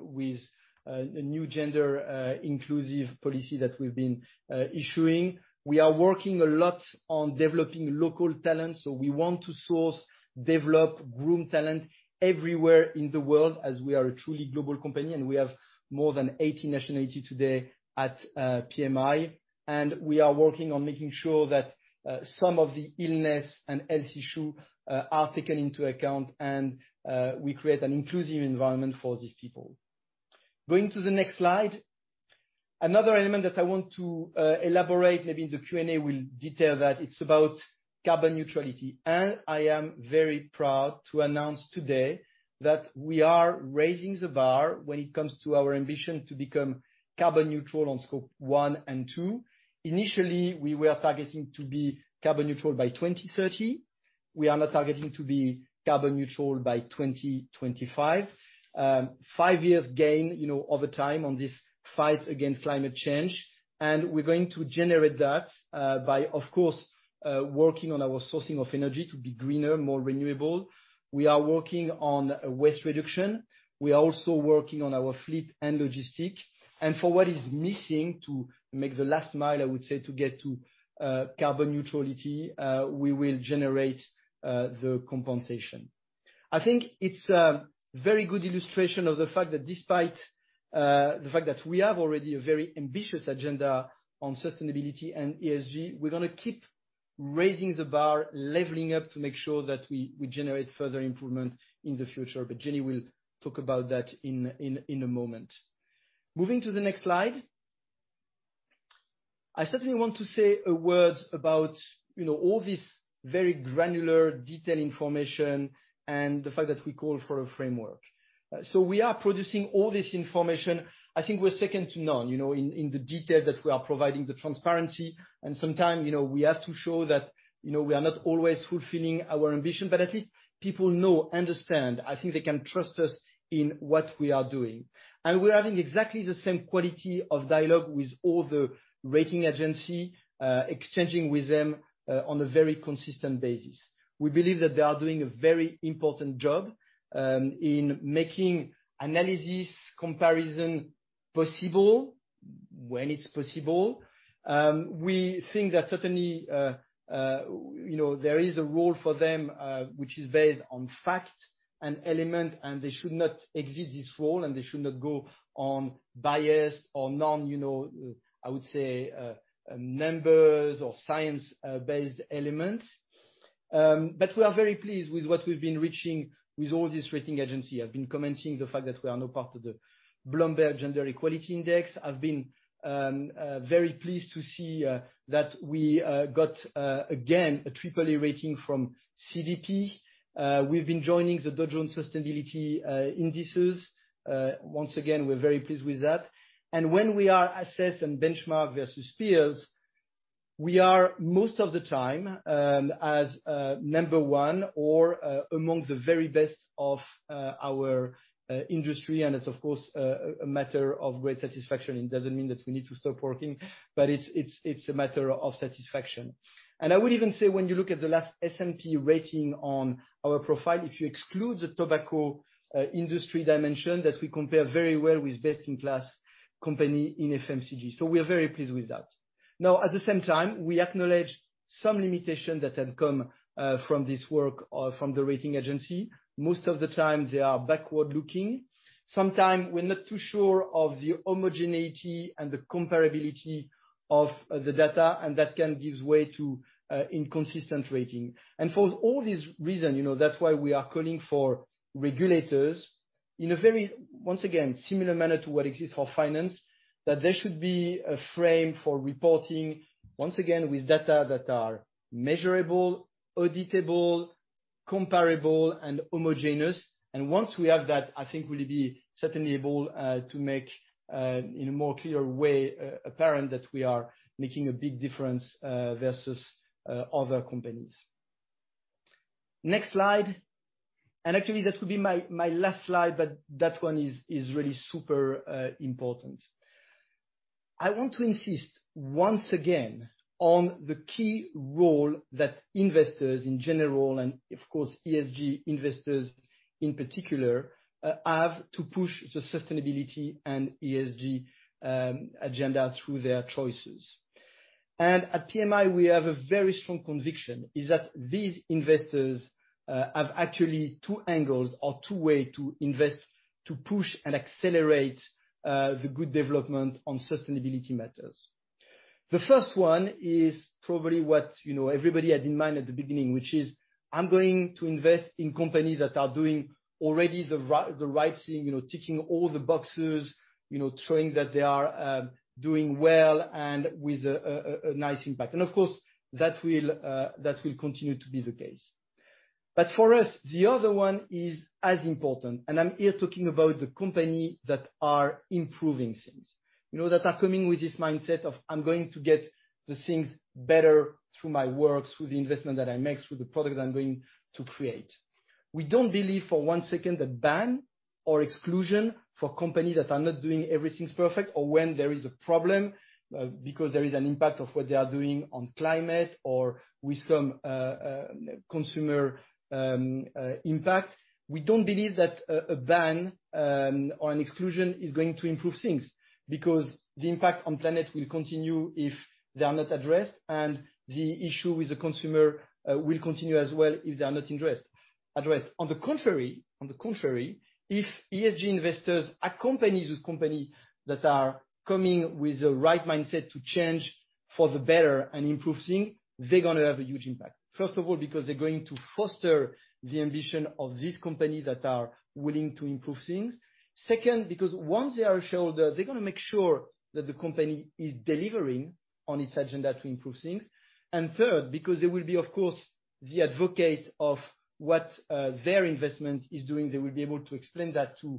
with a new gender inclusive policy that we've been issuing. We are working a lot on developing local talent, so we want to source, develop, groom talent everywhere in the world as we are a truly global company, and we have more than 80 nationalities today at PMI. We are working on making sure that some of the illness and health issue are taken into account, and we create an inclusive environment for these people. Going to the next slide. Another element that I want to elaborate, maybe the Q&A will detail that, it's about carbon neutrality. I am very proud to announce today that we are raising the bar when it comes to our ambition to become carbon neutral on scope one and two. Initially, we were targeting to be carbon neutral by 2030. We are now targeting to be carbon neutral by 2025. Five years gain over time on this fight against climate change. We're going to generate that by, of course, working on our sourcing of energy to be greener, more renewable. We are working on waste reduction. We are also working on our fleet and logistics. For what is missing to make the last mile, I would say, to get to carbon neutrality, we will generate the compensation. I think it's a very good illustration of the fact that despite the fact that we have already a very ambitious agenda on sustainability and ESG, we're going to keep raising the bar, leveling up to make sure that we generate further improvement in the future. Jenny will talk about that in a moment. Moving to the next slide. I certainly want to say a word about all this very granular detail information and the fact that we call for a framework. We are producing all this information. I think we're second to none in the detail that we are providing the transparency. Sometime we have to show that we are not always fulfilling our ambition, but at least people know, understand. I think they can trust us in what we are doing. We're having exactly the same quality of dialogue with all the rating agency, exchanging with them on a very consistent basis. We believe that they are doing a very important job, in making analysis comparison possible, when it's possible. We think that certainly, there is a role for them which is based on facts and element, and they should not exceed this role, and they should not go on biased or non, I would say, numbers or science-based elements. We are very pleased with what we've been reaching with all these rating agency. I've been commenting the fact that we are now part of the Bloomberg Gender-Equality Index. I've been very pleased to see that we got, again, a AAA rating from CDP. We've been joining the Dow Jones Sustainability Indices. Once again, we're very pleased with that. When we are assessed and benchmarked versus peers, we are most of the time, as number one or among the very best of our industry, and it's of course, a matter of great satisfaction. It doesn't mean that we need to stop working, but it's a matter of satisfaction. I would even say when you look at the last S&P rating on our profile, if you exclude the tobacco industry dimension that we compare very well with best-in-class company in FMCG. We are very pleased with that. At the same time, we acknowledge some limitation that had come from this work or from the rating agency. Most of the time they are backward-looking. Sometime we're not too sure of the homogeneity and the comparability of the data, and that can give way to inconsistent rating. For all these reason, that's why we are calling for regulators in a very, once again, similar manner to what exists for finance, that there should be a frame for reporting, once again, with data that are measurable, auditable, comparable, and homogeneous. Once we have that, I think we'll be certainly able to make, in a more clear way, apparent that we are making a big difference versus other companies. Next slide. Actually that will be my last slide, but that one is really super important. I want to insist once again on the key role that investors in general, and of course, ESG investors in particular, have to push the sustainability and ESG agenda through their choices. At PMI, we have a very strong conviction is that these investors have actually two angles or two way to invest to push and accelerate the good development on sustainability matters. The first one is probably what everybody had in mind at the beginning, which is I'm going to invest in companies that are doing already the right thing, ticking all the boxes, showing that they are doing well and with a nice impact. Of course, that will continue to be the case. For us, the other one is as important, and I'm here talking about the company that are improving things. That are coming with this mindset of, I'm going to get the things better through my work, through the investment that I make, through the product I'm going to create. We don't believe for one second that ban or exclusion for companies that are not doing everything perfect or when there is a problem because there is an impact of what they are doing on climate or with some consumer impact. We don't believe that a ban, or an exclusion is going to improve things, because the impact on planet will continue if they are not addressed, and the issue with the consumer will continue as well if they are not addressed. On the contrary, if ESG investors accompanies with company that are coming with the right mindset to change for the better and improve things, they're gonna have a huge impact. First of all, because they're going to foster the ambition of these companies that are willing to improve things. Second, because once they are shareholders, they're gonna make sure that the company is delivering on its agenda to improve things. Third, because they will be, of course, the advocate of what their investment is doing. They will be able to explain that to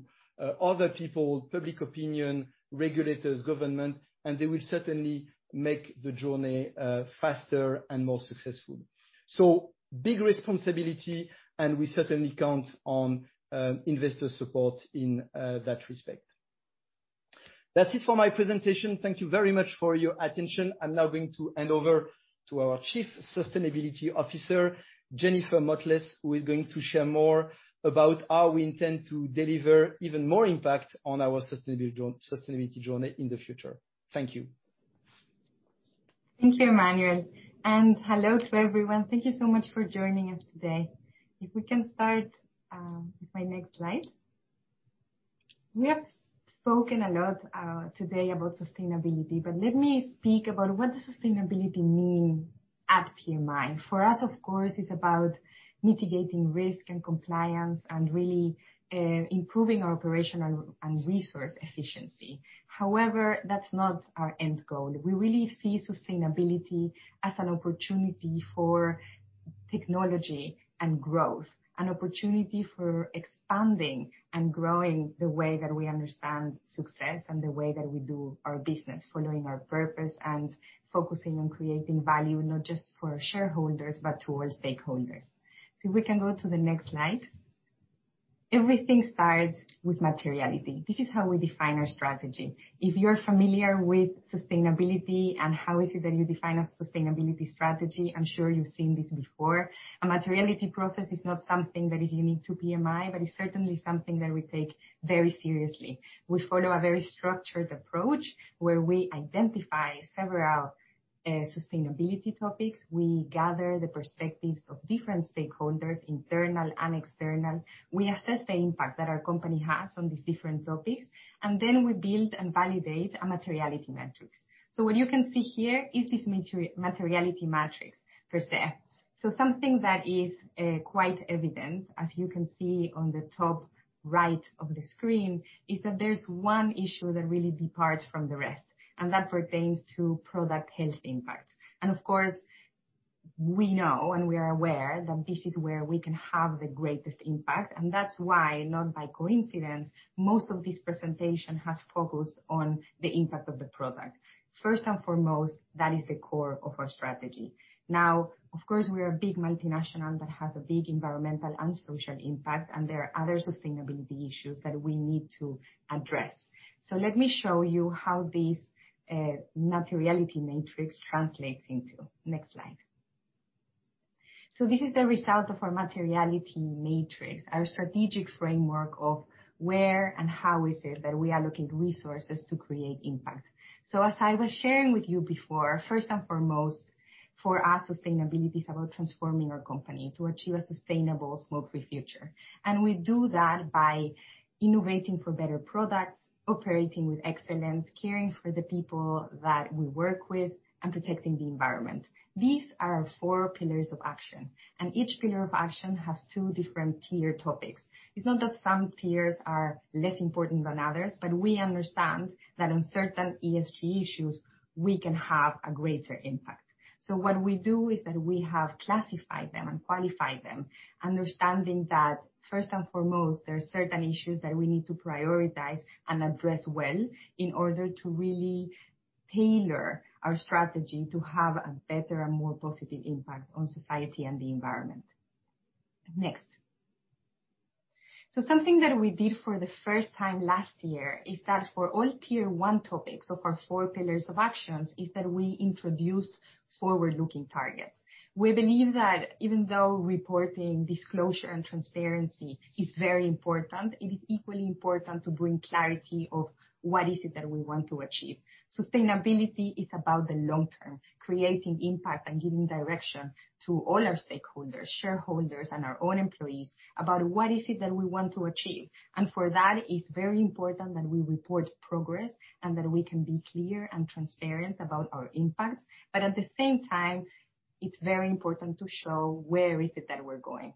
other people, public opinion, regulators, government, and they will certainly make the journey faster and more successful. Big responsibility, and we certainly count on investor support in that respect. That's it for my presentation. Thank you very much for your attention. I'm now going to hand over to our Chief Sustainability Officer, Jennifer Motles, who is going to share more about how we intend to deliver even more impact on our sustainability journey in the future. Thank you. Thank you, Emmanuel, and hello to everyone. Thank you so much for joining us today. If we can start, with my next slide. We have spoken a lot today about sustainability, but let me speak about what does sustainability mean at PMI, for us, of course, it's about mitigating risk and compliance and really improving our operational and resource efficiency. However, that's not our end goal. We really see sustainability as an opportunity for technology and growth, an opportunity for expanding and growing the way that we understand success and the way that we do our business, following our purpose and focusing on creating value not just for our shareholders but to all stakeholders. We can go to the next slide. Everything starts with materiality. This is how we define our strategy. If you're familiar with sustainability and how is it that you define a sustainability strategy, I'm sure you've seen this before. A materiality process is not something that is unique to PMI, but it's certainly something that we take very seriously. We follow a very structured approach where we identify several sustainability topics. We gather the perspectives of different stakeholders, internal and external. We assess the impact that our company has on these different topics, we build and validate a materiality matrix. What you can see here is this materiality matrix per se. Something that is quite evident, as you can see on the top right of the screen, is that there's one issue that really departs from the rest, and that pertains to product health impact. Of course, we know and we are aware that this is where we can have the greatest impact. That's why, not by coincidence, most of this presentation has focused on the impact of the product. First and foremost, that is the core of our strategy. Of course, we are a big multinational that has a big environmental and social impact, and there are other sustainability issues that we need to address. Let me show you how this materiality matrix translates into. Next slide. This is the result of our materiality matrix, our strategic framework of where and how is it that we allocate resources to create impact. As I was sharing with you before, first and foremost, for our sustainability is about transforming our company to achieve a sustainable smoke-free future. We do that by innovating for better products, operating with excellence, caring for the people that we work with, and protecting the environment. These are our four pillars of action, and each pillar of action has two different tier topics. It's not that some tiers are less important than others, but we understand that on certain ESG issues, we can have a greater impact. What we do is that we have classified them and qualified them, understanding that, first and foremost, there are certain issues that we need to prioritize and address well in order to really tailor our strategy to have a better and more positive impact on society and the environment. Next. Something that we did for the first time last year is that for all tier one topics of our four pillars of actions is that we introduced forward-looking targets. We believe that even though reporting disclosure and transparency is very important, it is equally important to bring clarity of what is it that we want to achieve. Sustainability is about the long term, creating impact and giving direction to all our stakeholders, shareholders, and our own employees about what is it that we want to achieve. For that, it's very important that we report progress and that we can be clear and transparent about our impact. At the same time, it's very important to show where is it that we're going.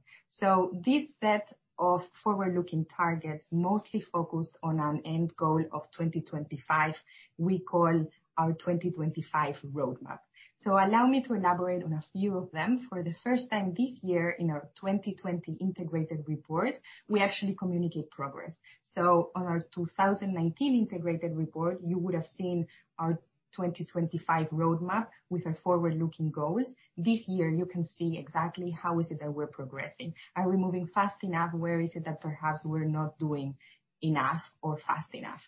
This set of forward-looking targets mostly focus on our end goal of 2025. We call our 2025 Roadmap. Allow me to elaborate on a few of them. For the first time this year in our 2020 integrated report, we actually communicate progress. On our 2019 integrated report, you would have seen our 2025 Roadmap with our forward-looking goals. This year, you can see exactly how is it that we're progressing. Are we moving fast enough? Where is it that perhaps we're not doing enough or fast enough?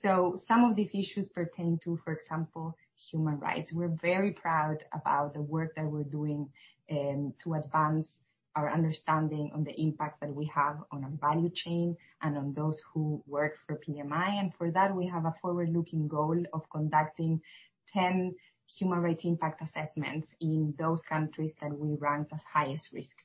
Some of these issues pertain to, for example, human rights. We're very proud about the work that we're doing to advance our understanding on the impact that we have on our value chain and on those who work for PMI. For that, we have a forward-looking goal of conducting 10 human rights impact assessments in those countries that we rank as highest risk.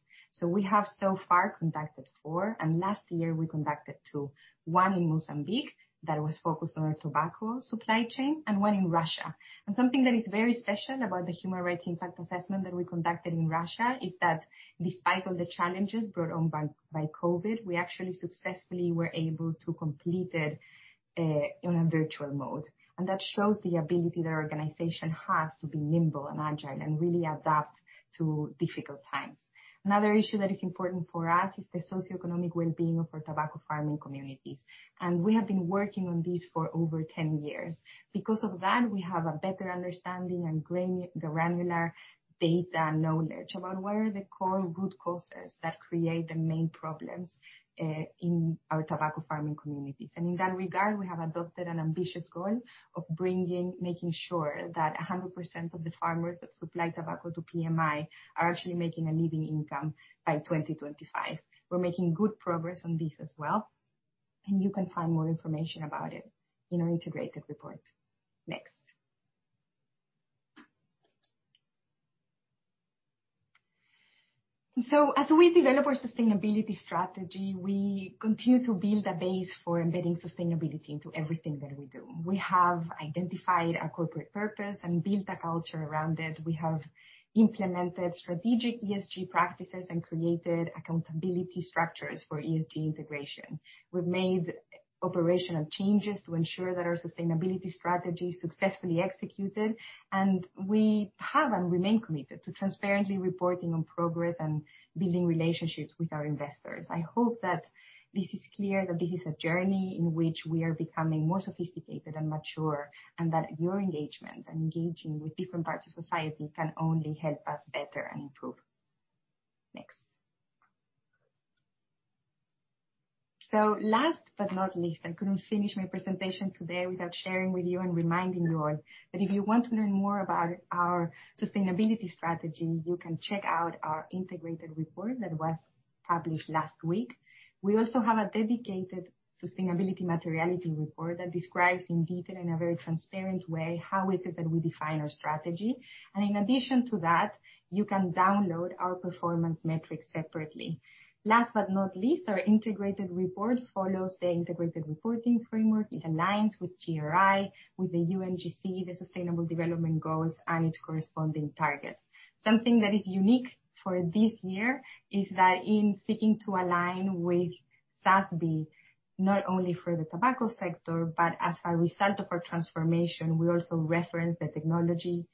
We have so far conducted four, and last year we conducted two, one in Mozambique that was focused on our tobacco supply chain and one in Russia. Something that is very special about the human rights impact assessment that we conducted in Russia is that despite all the challenges brought on by COVID, we actually successfully were able to complete it in a virtual mode. That shows the ability the organization has to be nimble and agile and really adapt to difficult times. Another issue that is important for us is the socioeconomic well-being of our tobacco farming communities, and we have been working on this for over 10 years. Because of that, we have a better understanding and granular data knowledge about where the core root causes that create the main problems in our tobacco farming communities. In that regard, we have adopted an ambitious goal of making sure that 100% of the farmers that supply tobacco to PMI are actually making a living income by 2025. We're making good progress on this as well, and you can find more information about it in our integrated report. Next. As we develop our sustainability strategy, we continue to build a base for embedding sustainability into everything that we do. We have identified our corporate purpose and built a culture around it. We have implemented strategic ESG practices and created accountability structures for ESG integration. We've made operational changes to ensure that our sustainability strategy is successfully executed, and we have and remain committed to transparently reporting on progress and building relationships with our investors. I hope that this is clear that this is a journey in which we are becoming more sophisticated and mature, and that your engagement and engaging with different parts of society can only help us better and improve. Next. Last but not least, I couldn't finish my presentation today without sharing with you and reminding you all that if you want to learn more about our sustainability strategy, you can check out our integrated report that was published last week. We also have a dedicated sustainability materiality report that describes in detail, in a very transparent way, how is it that we define our strategy. In addition to that, you can download our performance metrics separately. Last but not least, our integrated report follows the integrated reporting framework in alliance with GRI, with the UNGC, the Sustainable Development Goals, and its corresponding targets. Something that is unique for this year is that in seeking to align with SASB, not only for the tobacco sector, but as a result of our transformation, we also reference the technology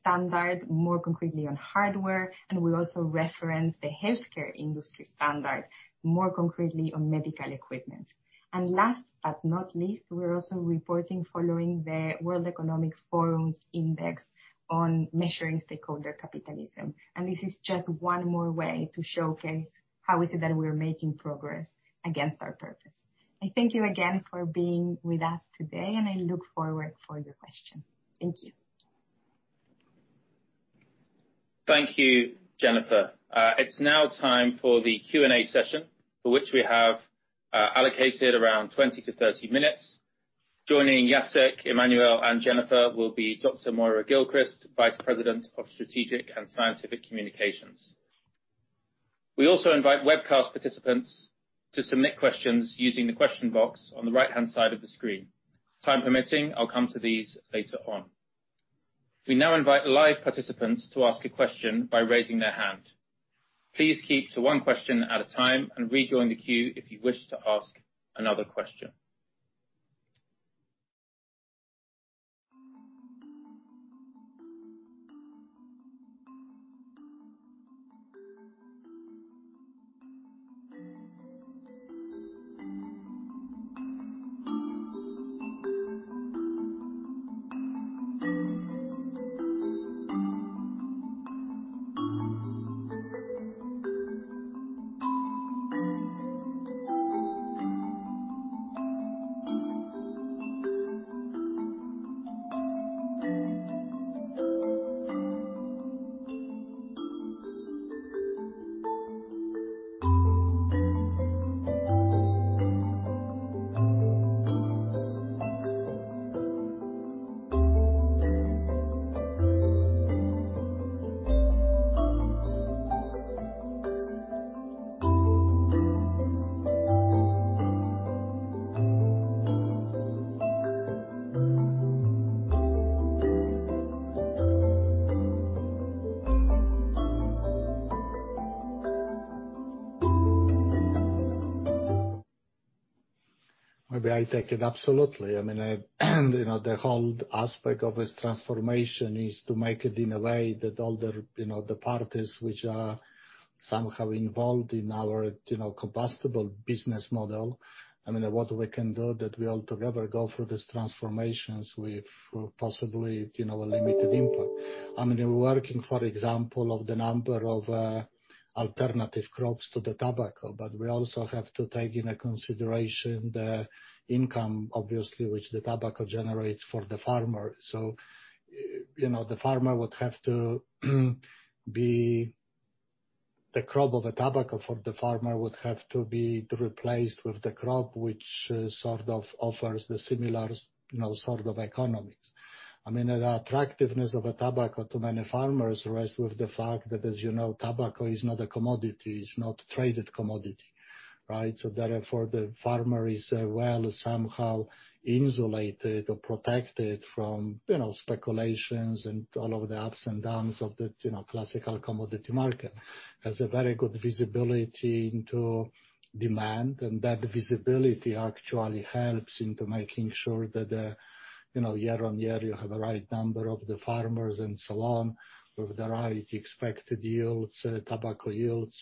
standard, more concretely on hardware, and we also reference the healthcare industry standard, more concretely on medical equipment. Last but not least, we're also reporting following the World Economic Forum's index on measuring stakeholder capitalism. It is just one more way to showcase how is it that we are making progress against our purpose. Thank you again for being with us today, and I look forward for your questions. Thank you. Thank you, Jennifer. It's now time for the Q&A session, for which we have allocated around 20-30 minutes. Joining Jacek, Emmanuel, and Jennifer will be Dr. Moira Gilchrist, Vice President of Strategic and Scientific Communications. We also invite webcast participants to submit questions using the question box on the right-hand side of the screen. Time permitting, I'll come to these later on. We now invite live participants to ask a question by raising their hand. Please keep to one question at a time and rejoin the queue if you wish to ask another question. Maybe I take it. Absolutely. I mean, the whole aspect of this transformation is to make it in a way that all the parties which are somehow involved in our combustible business model, and what we can do that we all together go through this transformation with possibly limited impact. I mean, we're working, for example, on the number of alternative crops to the tobacco, but we also have to take into consideration the income, obviously, which the tobacco generates for the farmer. The crop of the tobacco for the farmer would have to be replaced with a crop which sort of offers the similar sort of economics. I mean, the attractiveness of tobacco to many farmers rests with the fact that, as you know, tobacco is not a commodity, it's not a traded commodity, right? Therefore, the farmer is well somehow insulated or protected from speculations and all of the ups and downs of the classical commodity market. It has a very good visibility into demand, and that visibility actually helps into making sure that year on year you have the right number of the farmers and so on, with the right expected yields, tobacco yields.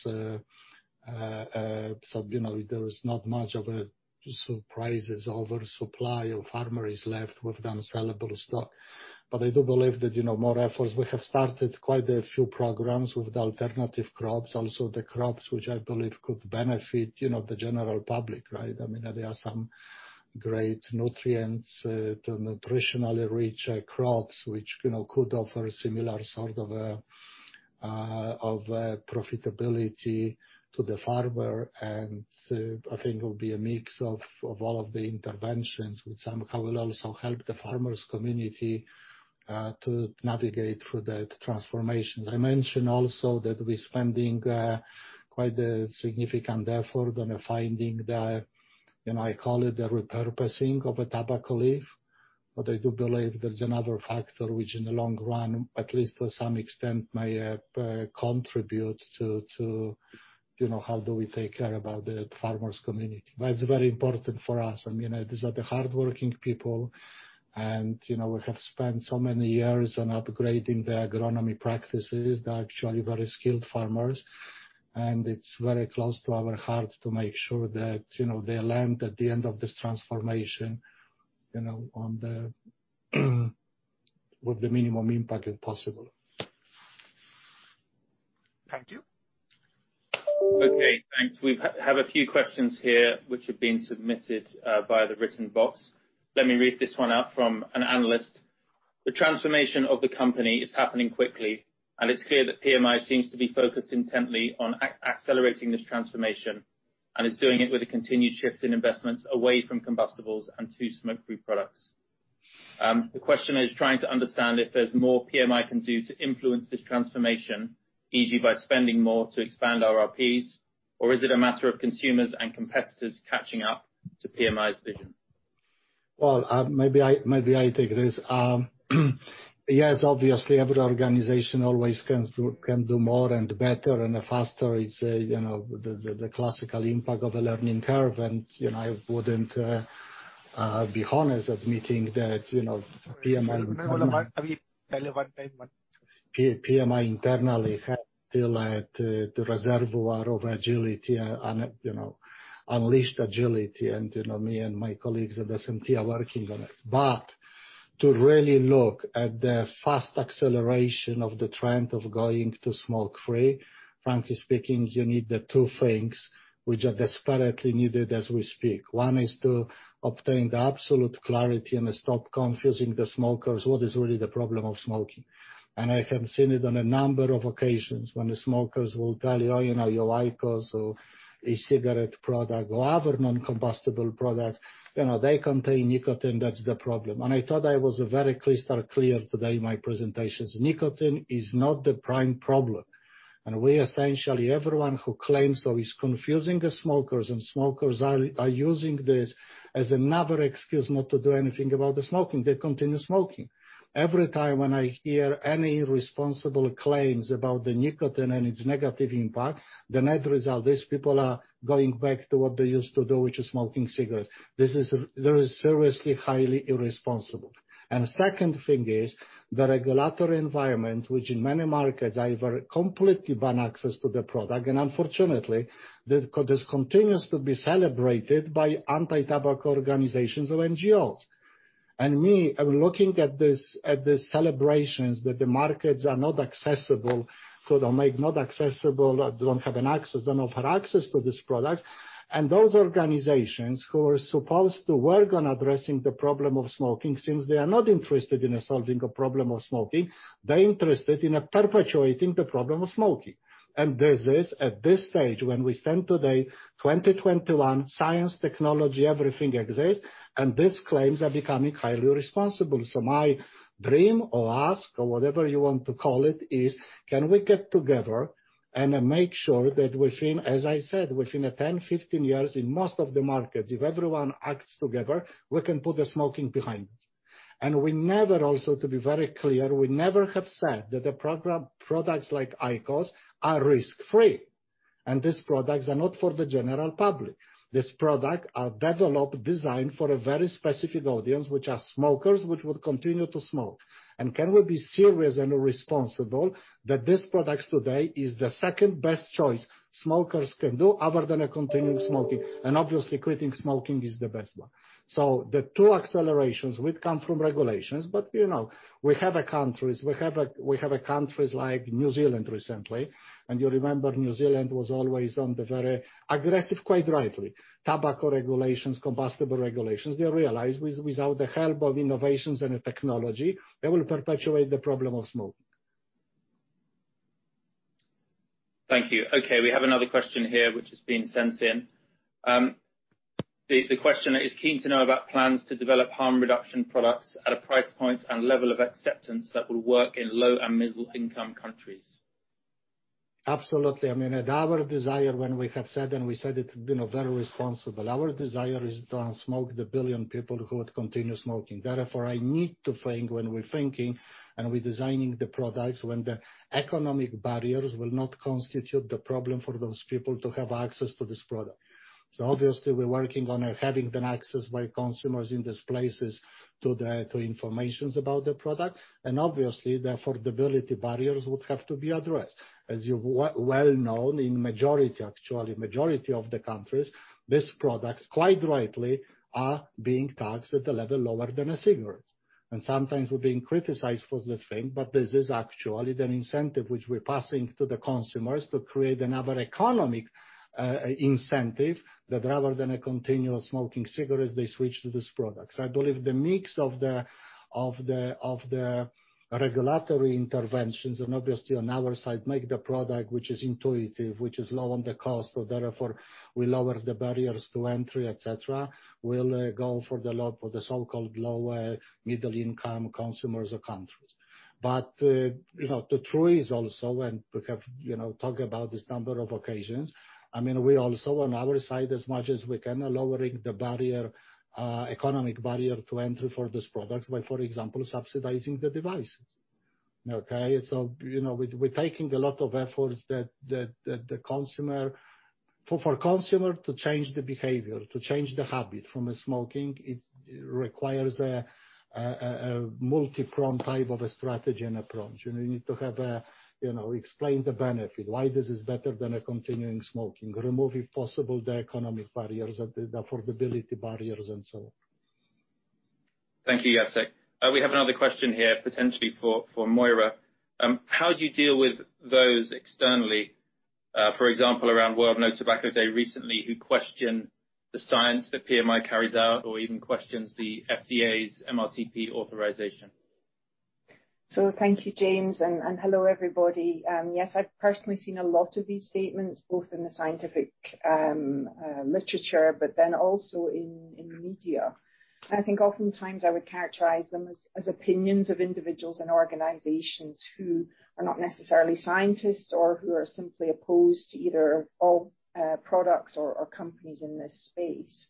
There is not much of a surprises over supply or farmer is left with unsellable stock. I do believe that more efforts, we have started quite a few programs with alternative crops, also the crops which I believe could benefit the general public, right? I mean, there are some great nutrients to nutritionally rich crops, which could offer similar sort of profitability to the farmer. I think it will be a mix of all of the interventions, which somehow will also help the farmers' community to navigate through that transformation. I mentioned also that we're spending quite a significant effort on finding the, I call it the repurposing of a tobacco leaf. I do believe there's another factor which in the long run, at least to some extent, may contribute to how do we take care about the farmers' community. It's very important for us. These are the hardworking people, and we have spent so many years on upgrading the agronomy practices. They're actually very skilled farmers, and it's very close to our heart to make sure that they land at the end of this transformation with the minimum impact possible. Thank you. Okay, thanks. We have a few questions here which have been submitted by the written box. Let me read this one out from an analyst. The transformation of the company is happening quickly, and it's clear that PMI seems to be focused intently on accelerating this transformation and is doing it with a continued shift in investments away from combustibles and to smoke-free products. The question is trying to understand if there's more PMI can do to influence this transformation, either by spending more to expand RRPs or is it a matter of consumers and competitors catching up to PMI's vision? Well, maybe I take this. Yes, obviously, every organization always can do more and better and faster. It's the classical impact of a learning curve. I wouldn't be honest, admitting that PMI internally have the reservoir of agility, unleashed agility. Me and my colleagues at SMT are working on it. To really look at the fast acceleration of the trend of going to smoke-free, frankly speaking, you need the two things which are desperately needed as we speak. One is to obtain the absolute clarity and stop confusing the smokers what is really the problem of smoking. I have seen it on a number of occasions when the smokers will tell you, "Your IQOS or e-cigarette product or other non-combustible products, they contain nicotine, that's the problem." I thought I was very crystal clear today in my presentations. Nicotine is not the prime problem. We essentially, everyone who claims so is confusing the smokers, and smokers are using this as another excuse not to do anything about the smoking. They continue smoking. Every time when I hear any responsible claims about the nicotine and its negative impact, the net result is people are going back to what they used to do, which is smoking cigarettes. This is seriously highly irresponsible. Second thing is the regulatory environment, which in many markets either completely ban access to the product, and unfortunately, this continues to be celebrated by anti-tobacco organizations or NGOs. Me, I'm looking at the celebrations that the markets are not accessible, so they'll make not accessible or don't have an access, they don't have access to these products. Those organizations who are supposed to work on addressing the problem of smoking, since they are not interested in solving a problem of smoking, they're interested in perpetuating the problem of smoking. This is at this stage when we stand today, 2021, science, technology, everything exists, and these claims are becoming highly irresponsible. My dream or ask or whatever you want to call it is, can we get together and make sure that within, as I said, within 10-15 years in most of the markets, if everyone acts together, we can put the smoking behind us. We never also, to be very clear, we never have said that the products like IQOS are risk-free. These products are not for the general public. These products are developed, designed for a very specific audience, which are smokers which would continue to smoke. Can we be serious and responsible that these products today is the second-best choice smokers can do other than a continuing smoking. Obviously, quitting smoking is the best one. The two accelerations, which come from regulations, but we have countries like New Zealand recently, and you remember New Zealand was always on the very aggressive, quite rightly, tobacco regulations, combustible regulations. They realize without the help of innovations and technology, they will perpetuate the problem of smoking. Thank you. Okay, we have another question here which has been sent in. The question is, keen to know about plans to develop harm reduction products at a price point and level of acceptance that will work in low- and middle-income countries. Absolutely. I mean, and our desire when we have said, and we said it been very responsible. Our desire is to unsmoke the billion people who would continue smoking. Therefore, I need to think when we're thinking and we're designing the products, when the economic barriers will not constitute the problem for those people to have access to this product. Obviously, we're working on having an access by consumers in these places to informations about the product, and obviously, the affordability barriers would have to be addressed. As you well know, in majority, actually, majority of the countries, these products, quite rightly, are being taxed at a level lower than a cigarette. Sometimes we're being criticized for the thing, but this is actually an incentive which we're passing to the consumers to create another economic incentive that rather than a continual smoking cigarette, they switch to this product. I believe the mix of the regulatory interventions and obviously on our side, make the product, which is intuitive, which is low on the cost, therefore we lower the barriers to entry, et cetera. We'll go for the so-called lower middle-income consumers or countries. The truth is also, and we have talked about this number of occasions, we also on our side, as much as we can, are lowering the economic barrier to entry for this product by, for example, subsidizing the devices. Okay? We're taking a lot of efforts that for consumer to change the behavior, to change the habit from smoking, it requires a multi-pronged type of strategy and approach. We need to explain the benefit, why this is better than continuing smoking, remove, if possible, the economic barriers, the affordability barriers, and so on. Thank you, Jacek. We have another question here potentially for Moira. How do you deal with those externally, for example, around World No Tobacco Day recently, who question the science that PMI carries out or even questions the FDA's MRTP authorization? Thank you, James, and hello, everybody. Yes, I've personally seen a lot of these statements, both in the scientific literature but then also in the media. I think oftentimes I would characterize them as opinions of individuals and organizations who are not necessarily scientists or who are simply opposed to either products or companies in this space.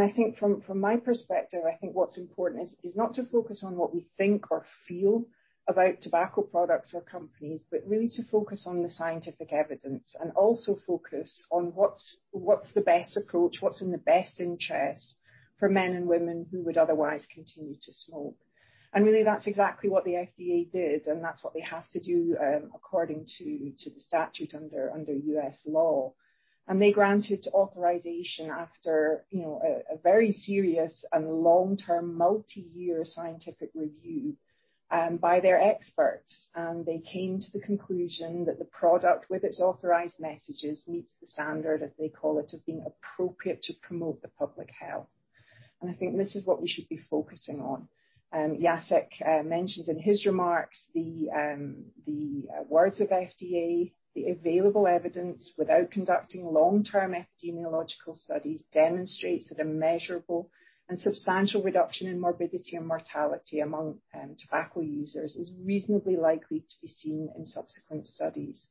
I think from my perspective, I think what's important is not to focus on what we think or feel about tobacco products or companies, but really to focus on the scientific evidence and also focus on what's the best approach, what's in the best interest for men and women who would otherwise continue to smoke. Really, that's exactly what the FDA did, and that's what they have to do according to the statute under U.S. law. They granted authorization after a very serious and long-term multi-year scientific review by their experts. They came to the conclusion that the product with its authorized messages meets the standard, as they call it, of being appropriate to promote the public health. I think this is what we should be focusing on. Jacek mentioned in his remarks the words of FDA, the available evidence without conducting long-term epidemiological studies demonstrates that a measurable and substantial reduction in morbidity and mortality among tobacco users is reasonably likely to be seen in subsequent studies.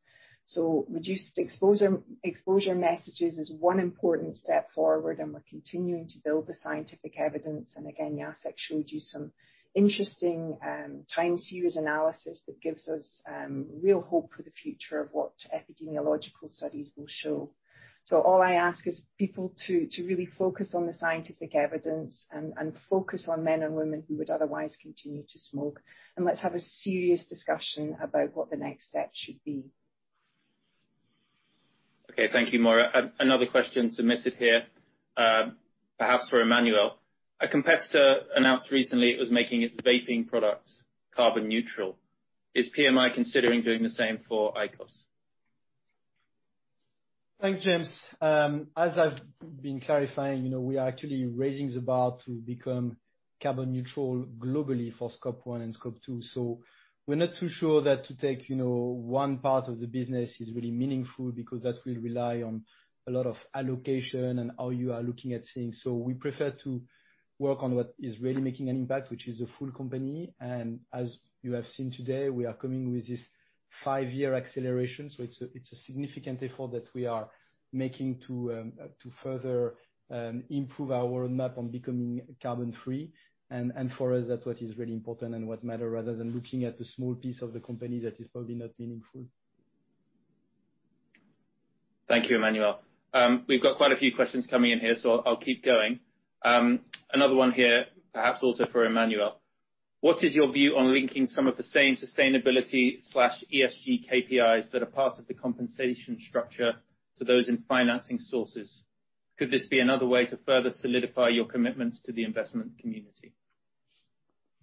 Reduced exposure messages is one important step forward, and we're continuing to build the scientific evidence. Again, Jacek showed you some interesting time series analysis that gives us real hope for the future of what epidemiological studies will show. All I ask is people to really focus on the scientific evidence and focus on men and women who would otherwise continue to smoke. Let's have a serious discussion about what the next step should be. Okay. Thank you, Moira. Another question submitted here, perhaps for Emmanuel. A competitor announced recently it was making its vaping products carbon neutral. Is PMI considering doing the same for IQOS? Thanks, James. As I've been clarifying, we are actually raising the bar to become carbon neutral globally for scope one and scope two. We're not too sure that to take one part of the business is really meaningful because that will rely on a lot of allocation and how you are looking at things. We prefer to work on what is really making impact, which is a full company. As you have seen today, we are coming with this five-year acceleration. It's a significant effort that we are making to further improve our roadmap on becoming carbon-free. For us, that's what is really important and what matter, rather than looking at the small piece of the company that is probably not meaningful. Thank you, Emmanuel. We've got quite a few questions coming in here, so I'll keep going. Another one here, perhaps also for Emmanuel. What is your view on linking some of the same sustainability/ESG KPIs that are part of the compensation structure to those in financing sources? Could this be another way to further solidify your commitments to the investment community?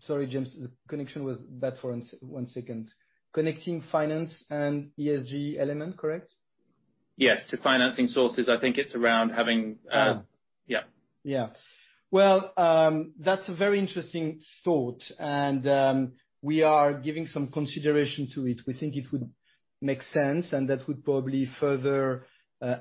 Sorry, James. The connection was bad for one second. Connecting finance and ESG element, correct? Yes. To financing sources. I think it's around having. Yeah. Yeah. Well, that's a very interesting thought, and we are giving some consideration to it. We think it would make sense, and that would probably further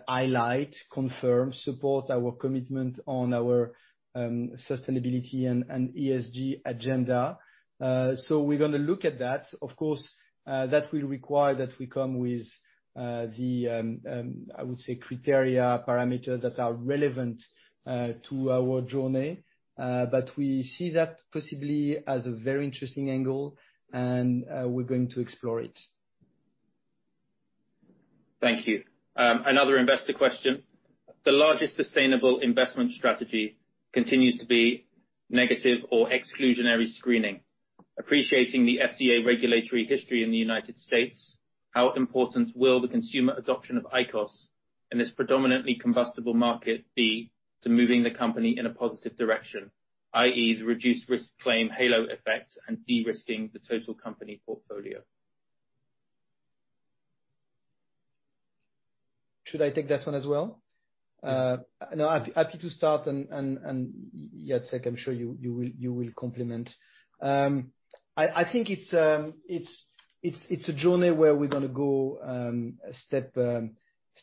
highlight, confirm, support our commitment on our sustainability and ESG agenda. We're going to look at that. Of course, that will require that we come with the, I would say, criteria parameters that are relevant to our journey. We see that possibly as a very interesting angle, and we're going to explore it. Thank you. Another investor question. The largest sustainable investment strategy continues to be negative or exclusionary screening. Appreciating the FDA regulatory history in the U.S., how important will the consumer adoption of IQOS in this predominantly combustible market be to moving the company in a positive direction, i.e., the reduced risk claim halo effect and de-risking the total company portfolio? Should I take that one as well? Yeah. No, happy to start. Jacek, I'm sure you will complement. I think it's a journey where we're going to go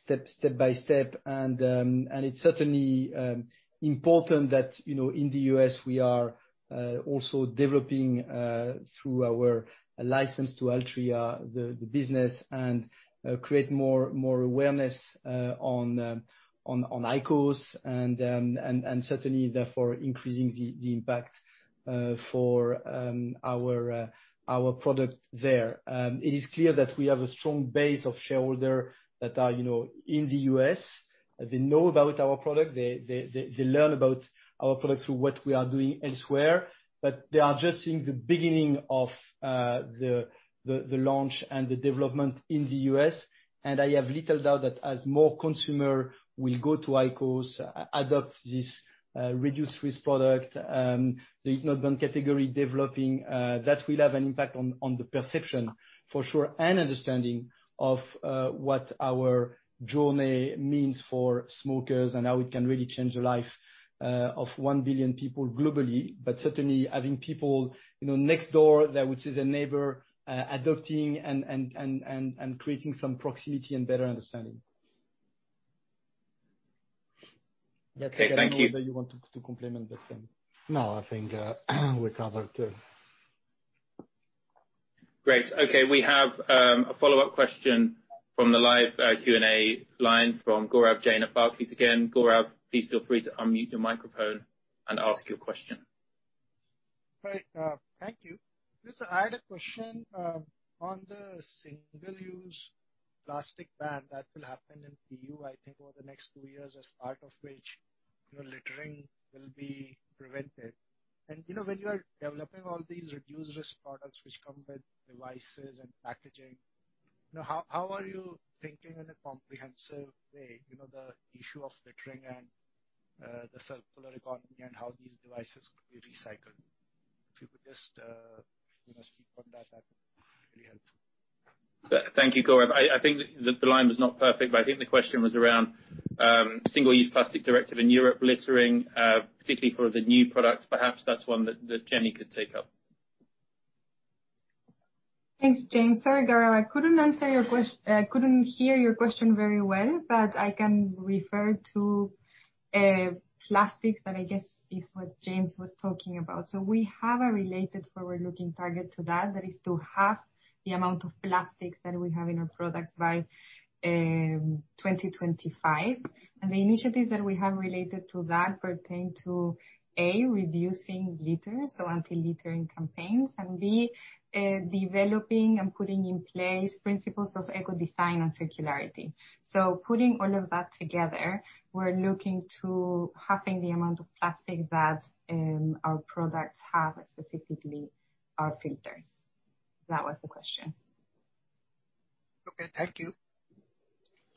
step by step. It's certainly important that, in the U.S., we are also developing, through our license to Altria, the business and create more awareness on IQOS, and certainly, therefore, increasing the impact for our product there. It is clear that we have a strong base of shareholder that are in the U.S. They know about our product. They learn about our product through what we are doing elsewhere. They are just in the beginning of the launch and the development in the U.S. I have little doubt that as more consumer will go to IQOS, adopt this reduced-risk product, the smoke-free category developing, that will have an impact on the perception, for sure, and understanding of what our journey means for smokers and how we can really change the life of 1 billion people globally, certainly, having people next door that which is a neighbor adopting and creating some proximity and better understanding. Okay, thank you. Jacek, I don't know whether you want to comment on this one. No, I think we covered it. Great. Okay, we have a follow-up question from the live Q&A line from Gaurav Jain of Barclays again. Gaurav, please feel free to unmute your microphone and ask your question. Right. Thank you. Yes, I had a question on the single-use plastic ban that will happen in EU, I think, over the next two years, as part of which littering will be prevented. When you are developing all these Reduced-Risk Products which come with devices and packaging, how are you thinking in a comprehensive way, the issue of littering and the circular economy and how these devices could be recycled? If you could just speak on that would be really helpful. Thank you, Gaurav. I think the line was not perfect, but I think the question was around single-use plastic directive in Europe, littering, particularly for the new products. Perhaps that's one that Jenny could take up. Thanks, James. Sorry, Gaurav, I couldn't hear your question very well, but I can refer to plastic that I guess is what James was talking about. We have a related forward-looking target to that is to halve the amount of plastic that we have in our product by 2025. The initiatives that we have related to that pertain to, A, reducing litter, so anti-littering campaigns, and B, developing and putting in place principles of eco-design and circularity. Putting all of that together, we're looking to halving the amount of plastic that our products have, specifically our filters. That was the question. Okay, thank you.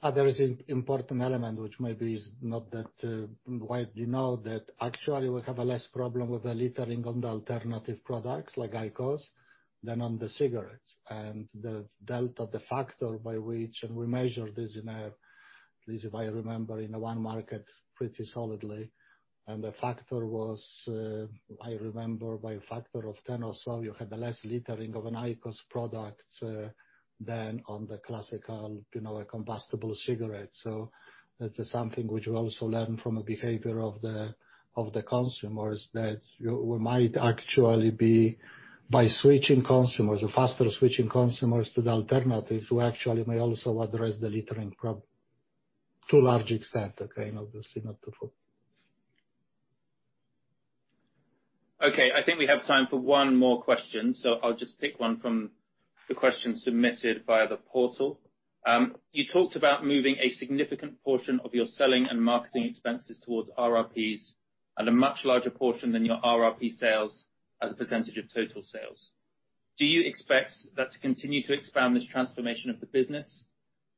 There is an important element which maybe is not that widely known, that actually we have a less problem with the littering on the alternative products like IQOS than on the cigarettes. The delta, the factor by which, and we measure this in a, at least if I remember, in a one market pretty solidly, and the factor was, I remember, by a factor of 10 or so, you have a less littering of an IQOS product than on the classical combustible cigarette. That is something which we also learn from the behavior of the consumers, that we might actually be, by faster switching consumers to the alternatives, we actually may also address the littering problem to a large extent, obviously not to full. Okay. I think we have time for one more question, so I'll just pick one from the questions submitted via the portal. You talked about moving a significant portion of your selling and marketing expenses towards RRPs at a much larger portion than your RRP sales as a percentage of total sales. Do you expect that to continue to expand this transformation of the business?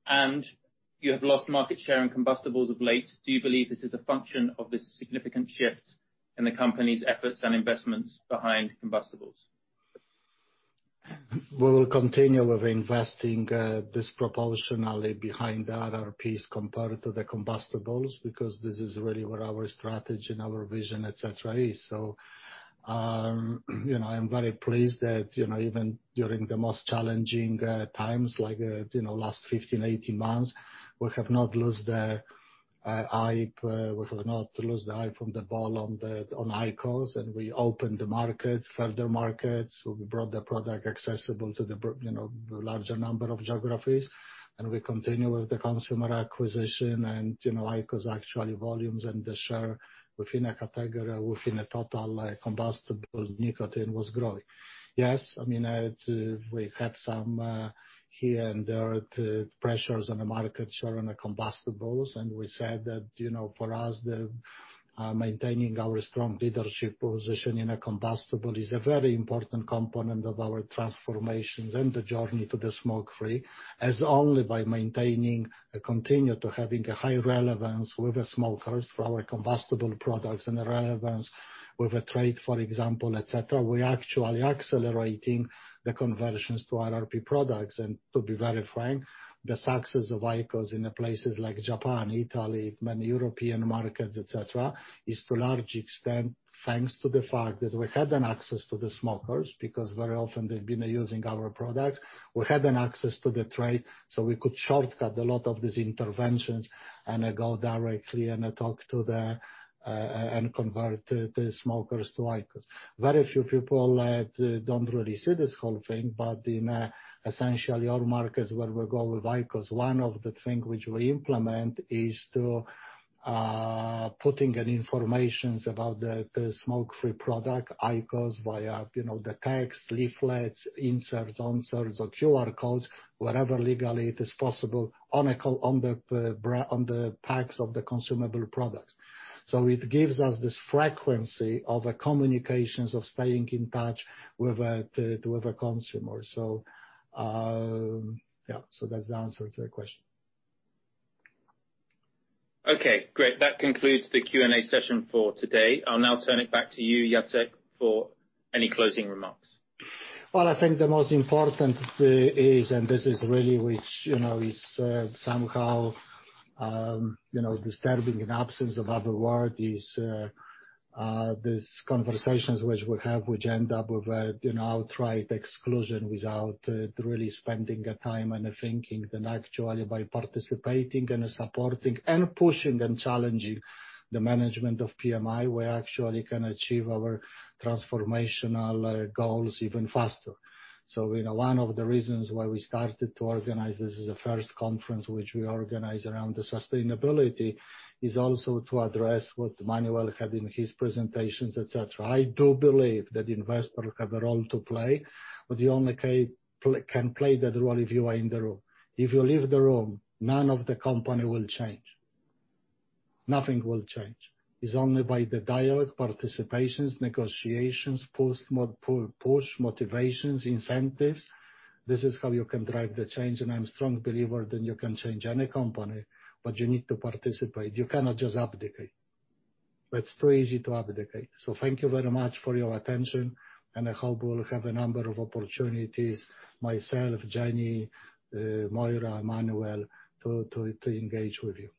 You have lost market share in combustibles of late. Do you believe this is a function of this significant shift in the company's efforts and investments behind combustibles? We will continue with investing disproportionally behind the RRPs compared to the combustibles, because this is really where our strategy and our vision, et cetera, is. I am very pleased that even during the most challenging times, like last 15-18 months, we have not lost the eye from the ball on IQOS, and we opened the markets, further markets. We brought the product accessible to the larger number of geographies, and we continue with the consumer acquisition, and IQOS actually volumes and the share within a category, within a total combustible nicotine was growing. Yes, we had some here and there, pressures on the market share on the combustibles, and we said that, for us, maintaining our strong leadership position in a combustible is a very important component of our transformations and the journey to the smoke-free. As only by maintaining and continue to having a high relevance with the smokers for our combustible products and the relevance with the trade, for example, et cetera, we are actually accelerating the conversions to RRP products. To be very frank, the success of IQOS in the places like Japan, Italy, many European markets, et cetera, is to a large extent, thanks to the fact that we had an access to the smokers, because very often they've been using our products. We had an access to the trade, so we could shortcut a lot of these interventions and go directly And convert the smokers to IQOS. Very few people don't really see this whole thing, but in essentially all markets where we go with IQOS, one of the things which we implement is to putting an information about the smoke-free product, IQOS, via the text, leaflets, inserts, onserts or QR codes, wherever legally it is possible on the packs of the consumable products. It gives us this frequency of the communications of staying in touch with the consumer. Yeah, that's the answer to the question. Okay, great. That concludes the Q&A session for today. I'll now turn it back to you, Jacek, for any closing remarks. Well, I think the most important thing is, and this is really which is somehow disturbing in absence of other word, is these conversations which we have, which end up with an outright exclusion without really spending the time and thinking. Actually by participating and supporting and pushing and challenging the management of PMI, we actually can achieve our transformational goals even faster. One of the reasons why we started to organize this as a first conference, which we organize around the sustainability, is also to address what Emmanuel had in his presentations, et cetera. I do believe that investors have a role to play, but you only can play that role if you are in the room. If you leave the room, none of the company will change. Nothing will change. It's only by the dialogue, participations, negotiations, push, motivations, incentives. This is how you can drive the change, and I'm strong believer that you can change any company, but you need to participate. You cannot just abdicate. It's too easy to abdicate. Thank you very much for your attention, and I hope we'll have a number of opportunities, myself, Jenny, Moira, Emmanuel, to engage with you.